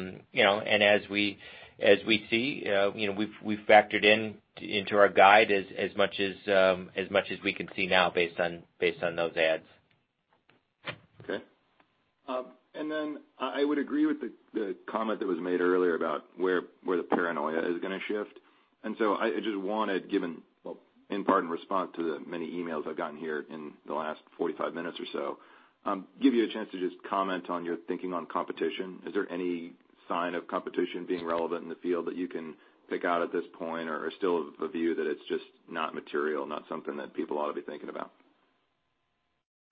we see, we've factored into our guide as much as we can see now based on those adds. Okay. I would agree with the comment that was made earlier about where the paranoia is going to shift. I just wanted, given, well, in part, in response to the many emails I've gotten here in the last 45 minutes or so, give you a chance to just comment on your thinking on competition. Is there any sign of competition being relevant in the field that you can pick out at this point, or still of the view that it's just not material, not something that people ought to be thinking about?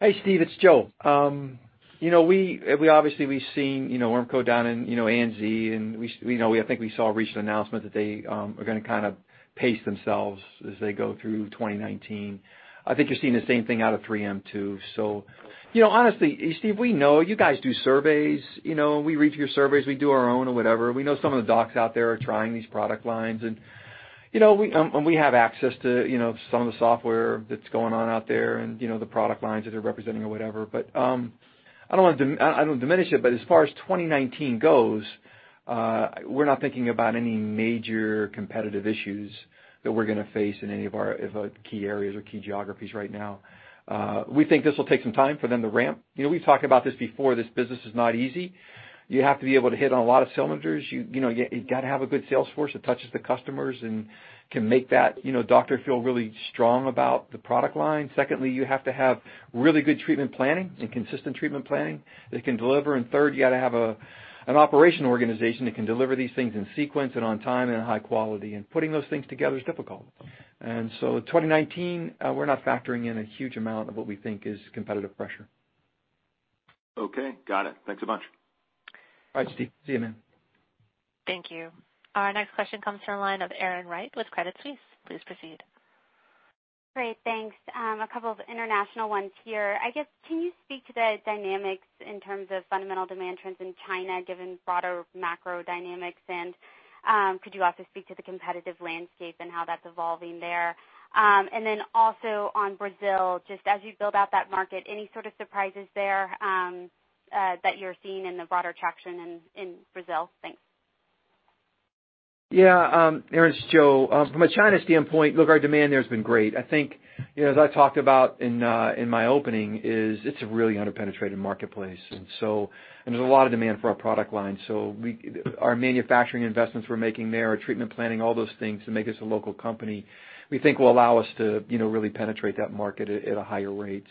Hey, Steve, it's Joe. Obviously we've seen Ormco down in ANZ, and I think we saw a recent announcement that they are going to kind of pace themselves as they go through 2019. I think you're seeing the same thing out of 3M, too. Honestly, Steve, we know you guys do surveys, we read your surveys, we do our own or whatever. We know some of the docs out there are trying these product lines, and we have access to some of the software that's going on out there and the product lines that they're representing or whatever. I don't want to diminish it, but as far as 2019 goes, we're not thinking about any major competitive issues that we're going to face in any of our key areas or key geographies right now. We think this will take some time for them to ramp. We've talked about this before, this business is not easy. You have to be able to hit on a lot of cylinders. You've got to have a good sales force that touches the customers and can make that doctor feel really strong about the product line. Secondly, you have to have really good treatment planning and consistent treatment planning they can deliver. Third, you got to have an operation organization that can deliver these things in sequence and on time and at high quality. Putting those things together is difficult. 2019, we're not factoring in a huge amount of what we think is competitive pressure. Okay, got it. Thanks a bunch. All right, Steve. See you, man. Thank you. Our next question comes from the line of Erin Wright with Credit Suisse. Please proceed. Great, thanks. A couple of international ones here. I guess, can you speak to the dynamics in terms of fundamental demand trends in China, given broader macro dynamics? Could you also speak to the competitive landscape and how that's evolving there? Also on Brazil, just as you build out that market, any sort of surprises there that you're seeing in the broader traction in Brazil? Thanks. Yeah. Erin, it's Joe. From a China standpoint, look, our demand there has been great. I think as I talked about in my opening is it's a really under-penetrated marketplace, and there's a lot of demand for our product line. Our manufacturing investments we're making there, our treatment planning, all those things to make us a local company, we think will allow us to really penetrate that market at a higher rate.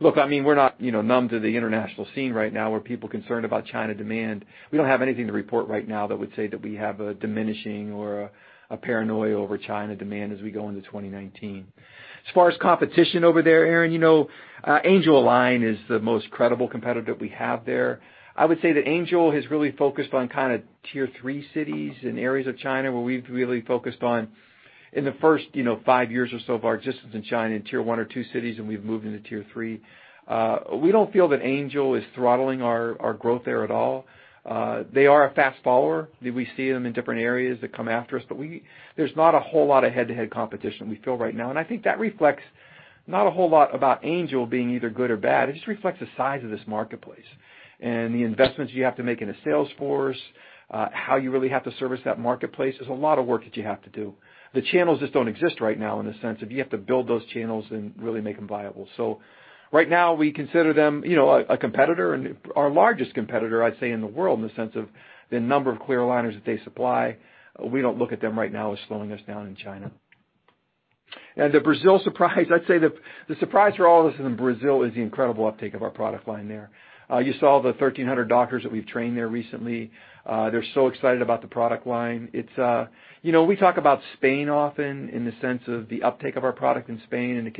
Look, we're not numb to the international scene right now, where people are concerned about China demand. We don't have anything to report right now that would say that we have a diminishing or a paranoia over China demand as we go into 2019. As far as competition over there, Erin, Angelalign is the most credible competitor that we have there. I would say that Angel has really focused on kind of Tier 3 cities and areas of China, where we've really focused on, in the first five years or so of our existence in China, in Tier 1 or 2 cities, and we've moved into Tier 3. We don't feel that Angel is throttling our growth there at all. They are a fast follower. We see them in different areas that come after us, but there's not a whole lot of head-to-head competition we feel right now. I think that reflects not a whole lot about Angel being either good or bad. It just reflects the size of this marketplace and the investments you have to make in a sales force, how you really have to service that marketplace. There's a lot of work that you have to do. The channels just don't exist right now in the sense of you have to build those channels and really make them viable. Right now we consider them a competitor and our largest competitor, I'd say, in the world in the sense of the number of clear aligners that they supply. We don't look at them right now as slowing us down in China. The Brazil surprise I'd say the surprise for all of us in Brazil is the incredible uptake of our product line there. You saw the 1,300 doctors that we've trained there recently. They're so excited about the product line. We talk about Spain often in the sense of the uptake of our product in Spain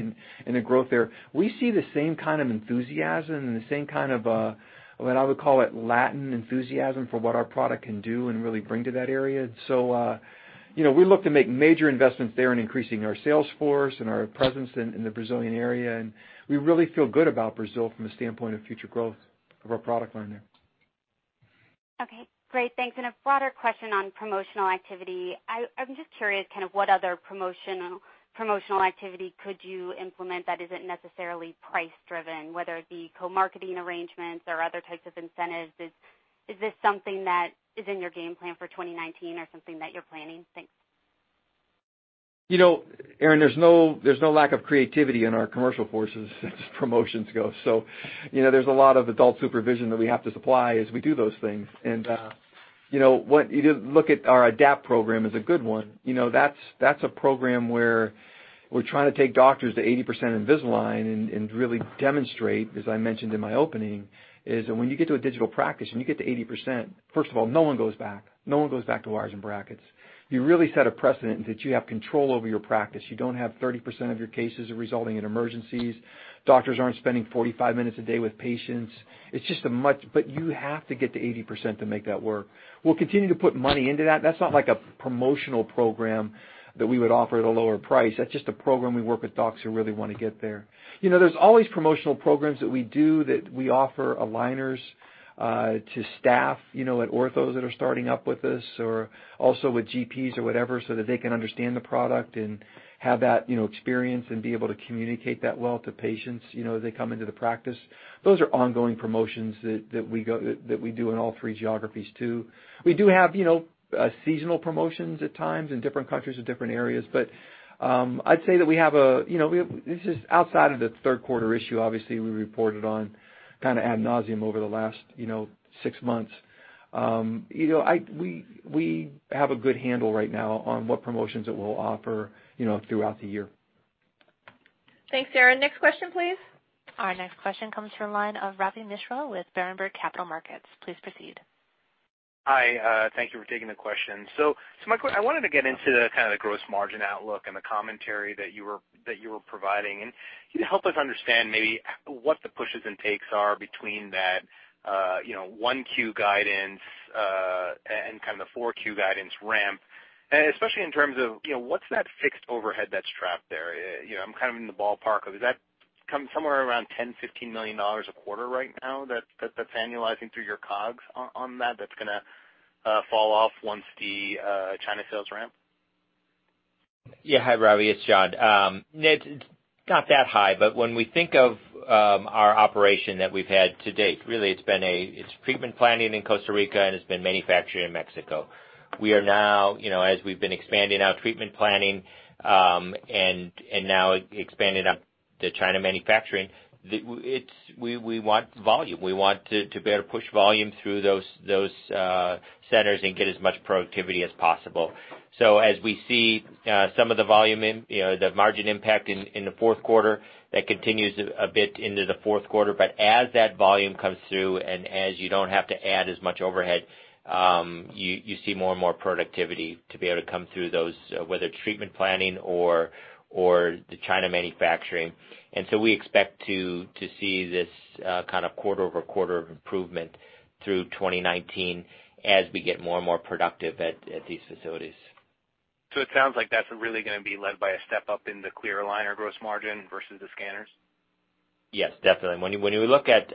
and the growth there. We see the same kind of enthusiasm and the same kind of what I would call Latin enthusiasm for what our product can do and really bring to that area. We look to make major investments there in increasing our sales force and our presence in the Brazilian area, and we really feel good about Brazil from the standpoint of future growth of our product line there. Okay, great. Thanks. A broader question on promotional activity. I'm just curious kind of what other promotional activity could you implement that isn't necessarily price driven, whether it be co-marketing arrangements or other types of incentives? Is this something that is in your game plan for 2019 or something that you're planning? Thanks. Erin, there's no lack of creativity in our commercial forces as promotions go. There's a lot of adult supervision that we have to supply as we do those things. Look at our ADAPT program as a good one. That's a program where we're trying to take doctors to 80% Invisalign and really demonstrate, as I mentioned in my opening, is that when you get to a digital practice and you get to 80%, first of all, no one goes back. No one goes back to wires and brackets. You really set a precedent that you have control over your practice. You don't have 30% of your cases resulting in emergencies. Doctors aren't spending 45 minutes a day with patients. You have to get to 80% to make that work. We'll continue to put money into that. That's not like a promotional program that we would offer at a lower price. That's just a program we work with docs who really want to get there. There's always promotional programs that we do, that we offer aligners to staff at orthos that are starting up with us, or also with GPs or whatever, so that they can understand the product and have that experience and be able to communicate that well to patients, as they come into the practice. Those are ongoing promotions that we do in all three geographies, too. We do have seasonal promotions at times in different countries or different areas. I'd say that this is outside of the third quarter issue, obviously, we reported on kind of ad nauseam over the last six months. We have a good handle right now on what promotions it will offer throughout the year. Thanks, Erin. Next question, please. Our next question comes from the line of Ravi Misra with Berenberg Capital Markets. Please proceed. Hi. Thank you for taking the question. My question, I wanted to get into the kind of the gross margin outlook and the commentary that you were providing. Can you help us understand maybe what the pushes and takes are between that 1Q guidance, and kind of the 4Q guidance ramp? Especially in terms of what's that fixed overhead that's trapped there? I'm kind of in the ballpark of, is that come somewhere around $10 million-$15 million a quarter right now that's annualizing through your COGS on that's going to fall off once the China sales ramp? Yeah. Hi, Ravi. It's John. It's not that high. When we think of our operation that we've had to date, really it's been treatment planning in Costa Rica, and it's been manufacturing in Mexico. We are now, as we've been expanding our treatment planning, and now expanding on the China manufacturing, we want volume. We want to be able to push volume through those centers and get as much productivity as possible. As we see some of the margin impact in the fourth quarter, that continues a bit into the fourth quarter. As that volume comes through, and as you don't have to add as much overhead, you see more and more productivity to be able to come through those, whether treatment planning or the China manufacturing. We expect to see this kind of quarter-over-quarter improvement through 2019 as we get more and more productive at these facilities. It sounds like that's really going to be led by a step up in the clear aligner gross margin versus the scanners. Yes, definitely. When we look at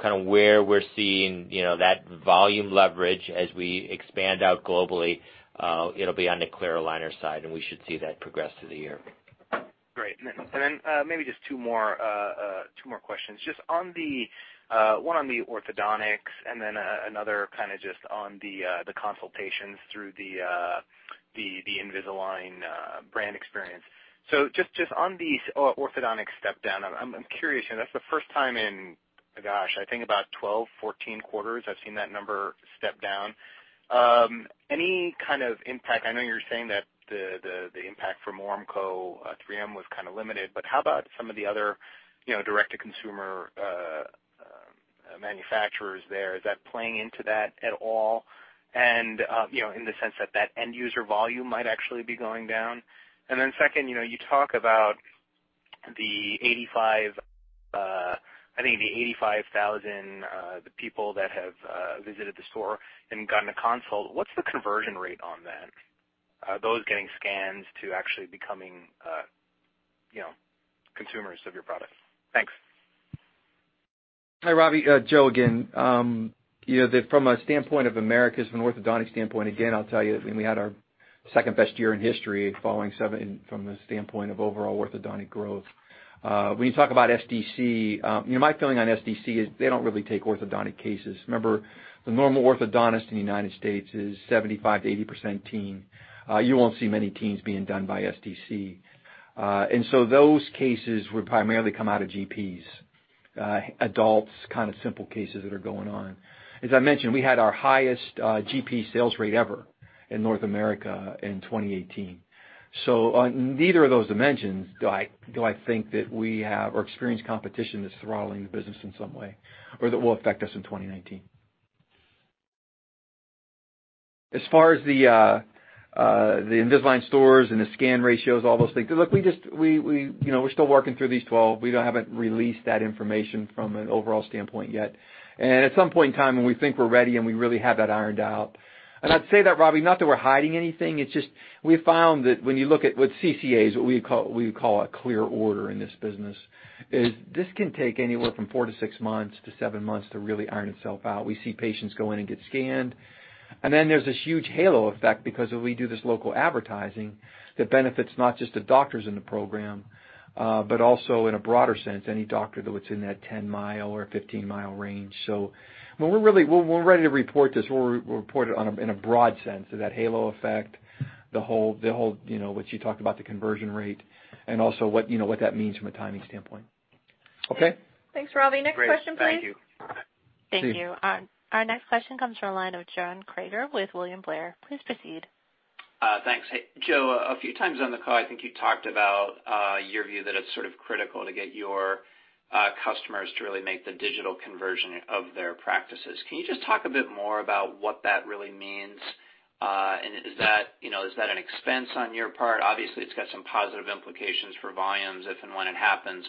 kind of where we're seeing that volume leverage as we expand out globally, it'll be on the clear aligner side, and we should see that progress through the year. Great. Maybe just two more questions. One on the orthodontics and then another kind of just on the consultations through the Invisalign Experience. Just on the orthodontics step down, I'm curious, that's the first time in, gosh, I think about 12, 14 quarters I've seen that number step down. Any kind of impact, I know you're saying that the impact from Ormco, 3M was kind of limited, but how about some of the other direct-to-consumer manufacturers there? Is that playing into that at all, and in the sense that that end user volume might actually be going down? Second, you talk about the, I think the 85,000, the people that have visited the store and gotten a consult, what's the conversion rate on that? Those getting scanned to actually becoming consumers of your product. Thanks. Hi, Ravi. Joe again. From a standpoint of Americas, from orthodontic standpoint, again, I'll tell you, we had our second-best year in history following seven from the standpoint of overall orthodontic growth. When you talk about SDC, my feeling on SDC is they don't really take orthodontic cases. Remember, the normal orthodontist in the United States is 75%-80% teen. You won't see many teens being done by SDC. Those cases would primarily come out of GPs. Adults, kind of simple cases that are going on. As I mentioned, we had our highest GP sales rate ever in North America in 2018. On neither of those dimensions do I think that we have or experience competition that's throttling the business in some way or that will affect us in 2019. As far as the Invisalign stores and the scan ratios, all those things, look, we're still working through these 12. We haven't released that information from an overall standpoint yet. At some point in time, when we think we're ready and we really have that ironed out. I'd say that, Ravi, not that we're hiding anything, it's just we found that when you look at with CCA, what we would call a clear order in this business, is this can take anywhere from four to six months to seven months to really iron itself out. We see patients go in and get scanned, then there's this huge halo effect because if we do this local advertising, that benefits not just the doctors in the program, but also in a broader sense, any doctor that was in that 10 mi or 15 mi range. When we're ready to report this, we'll report it in a broad sense of that halo effect, what you talked about, the conversion rate, and also what that means from a timing standpoint. Okay. Thanks, Ravi. Next question, please. Great. Thank you. Thank you. Our next question comes from a line of John Kreger with William Blair. Please proceed. Thanks. Hey, Joe, a few times on the call, I think you talked about your view that it's sort of critical to get your customers to really make the digital conversion of their practices. Can you just talk a bit more about what that really means? Is that an expense on your part? Obviously, it's got some positive implications for volumes if and when it happens,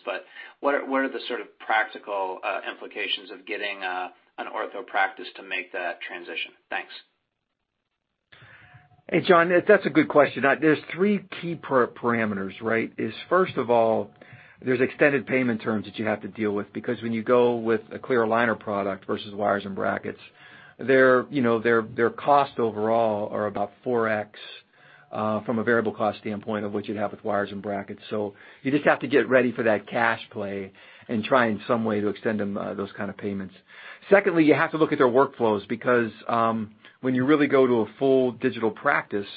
what are the sort of practical implications of getting an ortho practice to make that transition? Thanks. Hey, John. That's a good question. There's three key parameters, right? Is first of all, there's extended payment terms that you have to deal with because when you go with a clear aligner product versus wires and brackets, their cost overall are about 4x from a variable cost standpoint of what you'd have with wires and brackets. You just have to get ready for that cash play and try in some way to extend them those kind of payments. Secondly, you have to look at their workflows because when you really go to a full digital practice,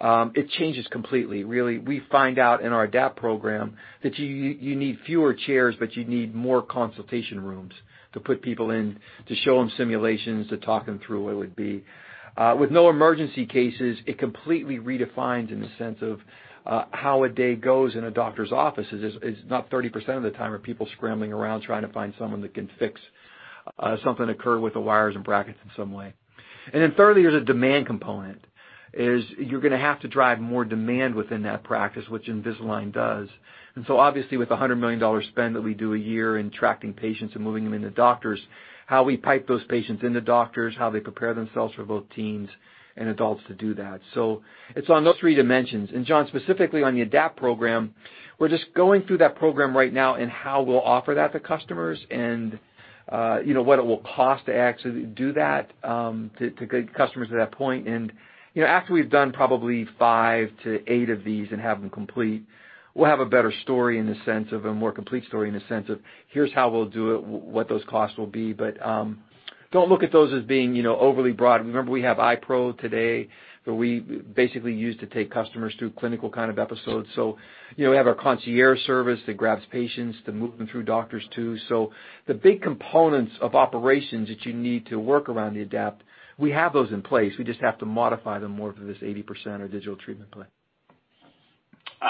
it changes completely. Really, we find out in our ADAPT program that you need fewer chairs, you need more consultation rooms to put people in, to show them simulations, to talk them through what it would be. With no emergency cases, it completely redefines in the sense of how a day goes in a doctor's office. It's not 30% of the time are people scrambling around trying to find someone that can fix something occurred with the wires and brackets in some way. Thirdly, there's a demand component, is you're going to have to drive more demand within that practice, which Invisalign does. Obviously with the $100 million spend that we do a year in attracting patients and moving them into doctors, how we pipe those patients into doctors, how they prepare themselves for both teens and adults to do that. It's on those three dimensions. John, specifically on the ADAPT program, we're just going through that program right now and how we'll offer that to customers and what it will cost to actually do that to get customers to that point. After we've done probably five to eight of these and have them complete, we'll have a better story in the sense of a more complete story in the sense of here's how we'll do it, what those costs will be. Don't look at those as being overly broad. Remember, we have iTero today that we basically use to take customers through clinical kind of episodes. We have our concierge service that grabs patients to move them through doctors, too. The big components of operations that you need to work around the ADAPT, we have those in place. We just have to modify them more for this 80% of digital treatment plan.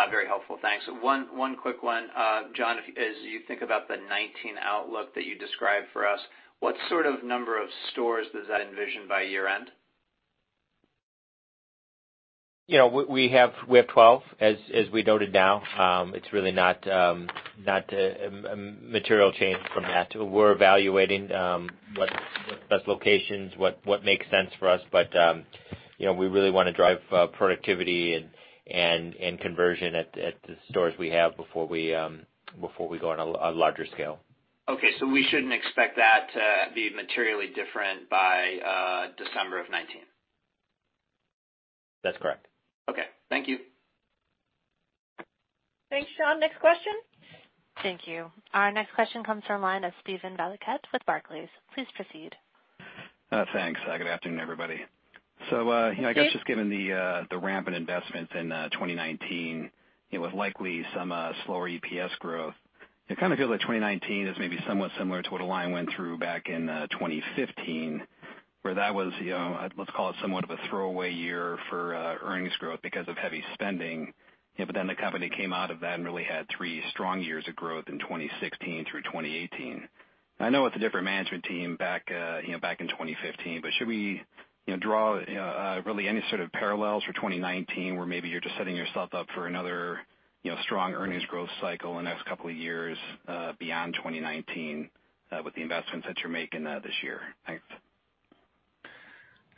Very helpful. Thanks. One quick one. John, as you think about the 2019 outlook that you described for us, what sort of number of stores does that envision by year-end? We have 12, as we noted now. It's really not a material change from that. We're evaluating what's the best locations, what makes sense for us. We really want to drive productivity and conversion at the stores we have before we go on a larger scale. Okay. We shouldn't expect that to be materially different by December of 2019. That's correct. Okay. Thank you. Thanks, John. Next question. Thank you. Our next question comes from line of Steven Valiquette with Barclays. Please proceed. Thanks. Good afternoon, everybody. I guess just given the rampant investments in 2019, with likely some slower EPS growth, it kind of feels like 2019 is maybe somewhat similar to what Align went through back in 2015, where that was, let's call it somewhat of a throwaway year for earnings growth because of heavy spending. The company came out of that and really had three strong years of growth in 2016 through 2018. I know it's a different management team back in 2015, but should we draw really any sort of parallels for 2019, where maybe you're just setting yourself up for another strong earnings growth cycle the next couple of years beyond 2019 with the investments that you're making this year? Thanks.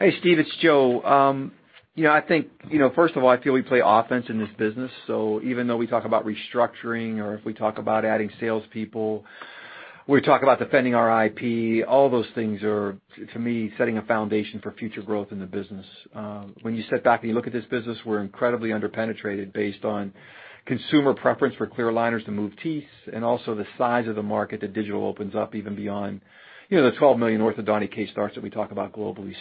Hey, Steve, it's Joe. I think, first of all, I feel we play offense in this business. Even though we talk about restructuring or if we talk about adding salespeople, we talk about defending our IP, all those things are, to me, setting a foundation for future growth in the business. When you step back and you look at this business, we're incredibly under-penetrated based on consumer preference for clear aligners to move teeth and also the size of the market that digital opens up even beyond the 12 million orthodontic case starts that we talk about globally.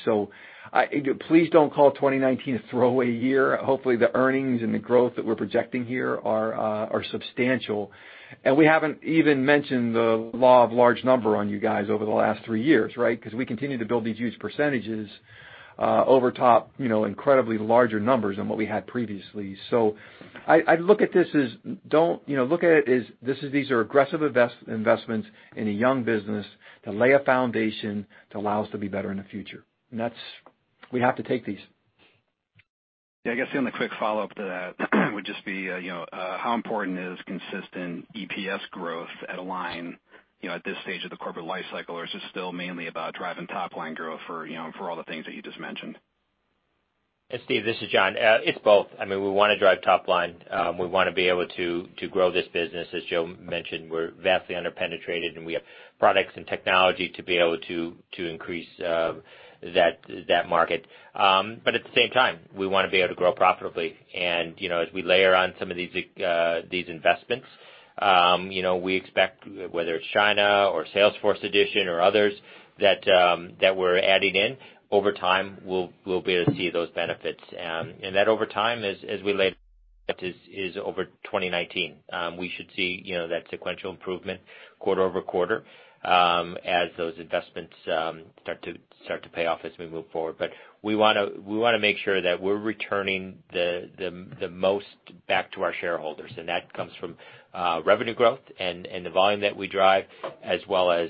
Please don't call 2019 a throwaway year. Hopefully, the earnings and the growth that we're projecting here are substantial. We haven't even mentioned the law of large number on you guys over the last three years, right? We continue to build these huge percentages over top incredibly larger numbers than what we had previously. I'd look at this as these are aggressive investments in a young business to lay a foundation to allow us to be better in the future. We have to take these. I guess the only quick follow-up to that would just be how important is consistent EPS growth at Align at this stage of the corporate life cycle, or is this still mainly about driving top line growth for all the things that you just mentioned? Steve, this is John. It's both. I mean, we want to drive top line. We want to be able to grow this business. As Joe mentioned, we're vastly under-penetrated, and we have products and technology to be able to increase that market. At the same time, we want to be able to grow profitably. As we layer on some of these investments, we expect, whether it's China or Salesforce addition or others that we're adding in, over time, we'll be able to see those benefits. That over time, that is over 2019. We should see that sequential improvement quarter over quarter as those investments start to pay off as we move forward. We want to make sure that we're returning the most back to our shareholders, and that comes from revenue growth and the volume that we drive, as well as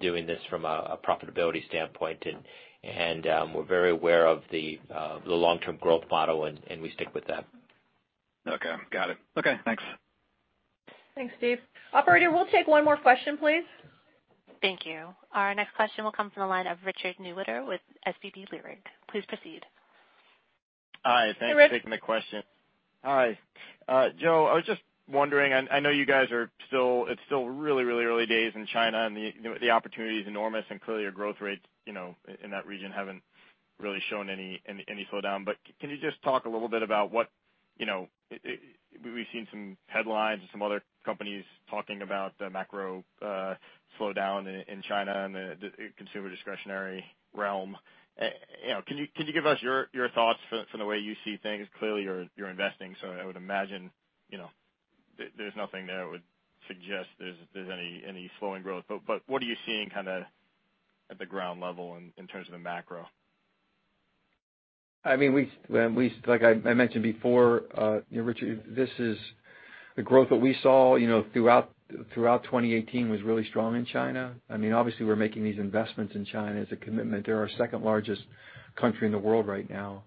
doing this from a profitability standpoint. We're very aware of the long-term growth model, and we stick with that. Okay. Got it. Okay, thanks. Thanks, Steve. Operator, we'll take one more question, please. Thank you. Our next question will come from the line of Richard Newitter with SVB Leerink. Please proceed. Hi. Hey, Rich. Thanks for taking the question. Hi. Joe, I was just wondering, I know you guys it's still really early days in China and the opportunity's enormous, and clearly your growth rates in that region haven't really shown any slowdown. Can you just talk a little bit about what we've seen some headlines and some other companies talking about the macro slowdown in China and the consumer discretionary realm. Can you give us your thoughts from the way you see things? Clearly, you're investing, so I would imagine there's nothing there that would suggest there's any slowing growth. What are you seeing at the ground level in terms of the macro? Like I mentioned before, Richard, the growth that we saw throughout 2018 was really strong in China. Obviously, we're making these investments in China as a commitment. They're our second-largest country in the world right now.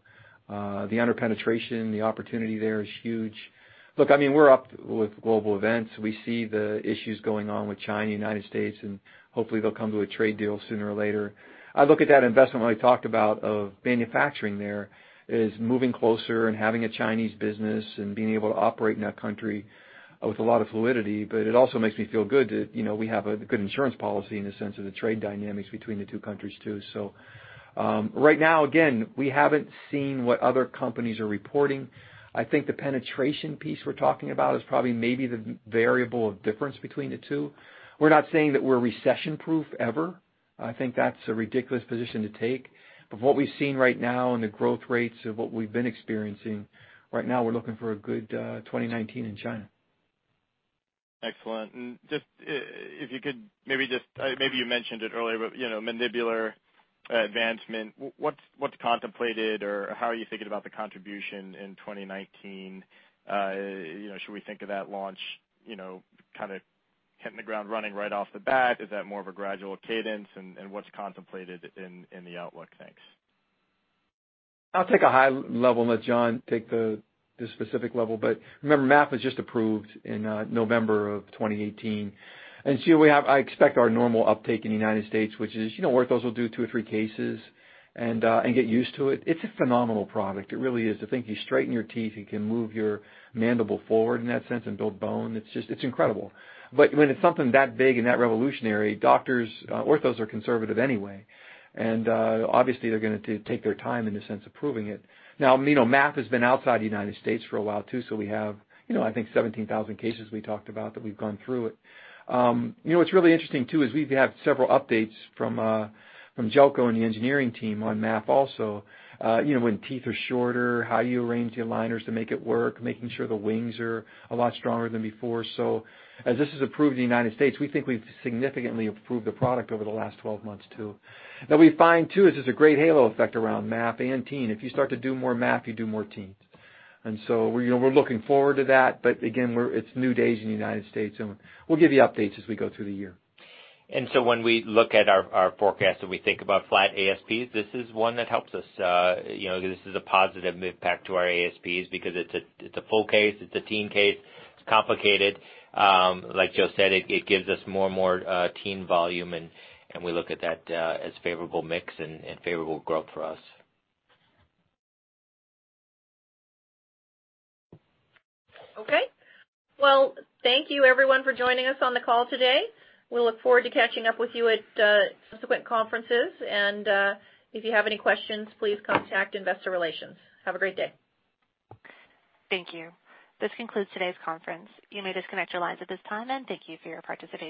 The under-penetration, the opportunity there is huge. Look, we're up with global events. We see the issues going on with China, United States, and hopefully they'll come to a trade deal sooner or later. I look at that investment, when we talked about of manufacturing there, is moving closer and having a Chinese business and being able to operate in that country with a lot of fluidity. It also makes me feel good that we have a good insurance policy in the sense of the trade dynamics between the two countries, too. Right now, again, we haven't seen what other companies are reporting. I think the penetration piece we're talking about is probably maybe the variable of difference between the two. We're not saying that we're recession-proof ever. I think that's a ridiculous position to take. What we've seen right now and the growth rates of what we've been experiencing, right now we're looking for a good 2019 in China. Excellent. If you could, maybe you mentioned it earlier, mandibular advancement, what's contemplated or how are you thinking about the contribution in 2019? Should we think of that launch kind of hitting the ground running right off the bat? Is that more of a gradual cadence? What's contemplated in the outlook? Thanks. I'll take a high level and let John take the specific level. Remember, MAP was just approved in November of 2018. I expect our normal uptake in the United States, which is orthos will do two or three cases and get used to it. It's a phenomenal product. It really is. To think you straighten your teeth, you can move your mandible forward in that sense and build bone. It's incredible. When it's something that big and that revolutionary, orthos are conservative anyway, obviously they're going to take their time in the sense of proving it. Now, MAP has been outside the United States for a while, too, so we have I think 17,000 cases we talked about that we've gone through it. What's really interesting, too, is we have several updates from Zelko and the engineering team on MAP also. When teeth are shorter, how you arrange the aligners to make it work, making sure the wings are a lot stronger than before. As this is approved in the U.S., we think we've significantly improved the product over the last 12 months, too. We find too, it's just a great halo effect around MAP and Teen. If you start to do more MAP, you do more Teens. We're looking forward to that. Again, it's new days in the U.S., and we'll give you updates as we go through the year. When we look at our forecast and we think about flat ASPs, this is one that helps us. This is a positive impact to our ASPs because it's a full case. It's a Teen case. It's complicated. Like Joe said, it gives us more and more Teen volume, and we look at that as favorable mix and favorable growth for us. Okay. Well, thank you everyone for joining us on the call today. We look forward to catching up with you at subsequent conferences. If you have any questions, please contact Investor Relations. Have a great day. Thank you. This concludes today's conference. You may disconnect your lines at this time. Thank you for your participation.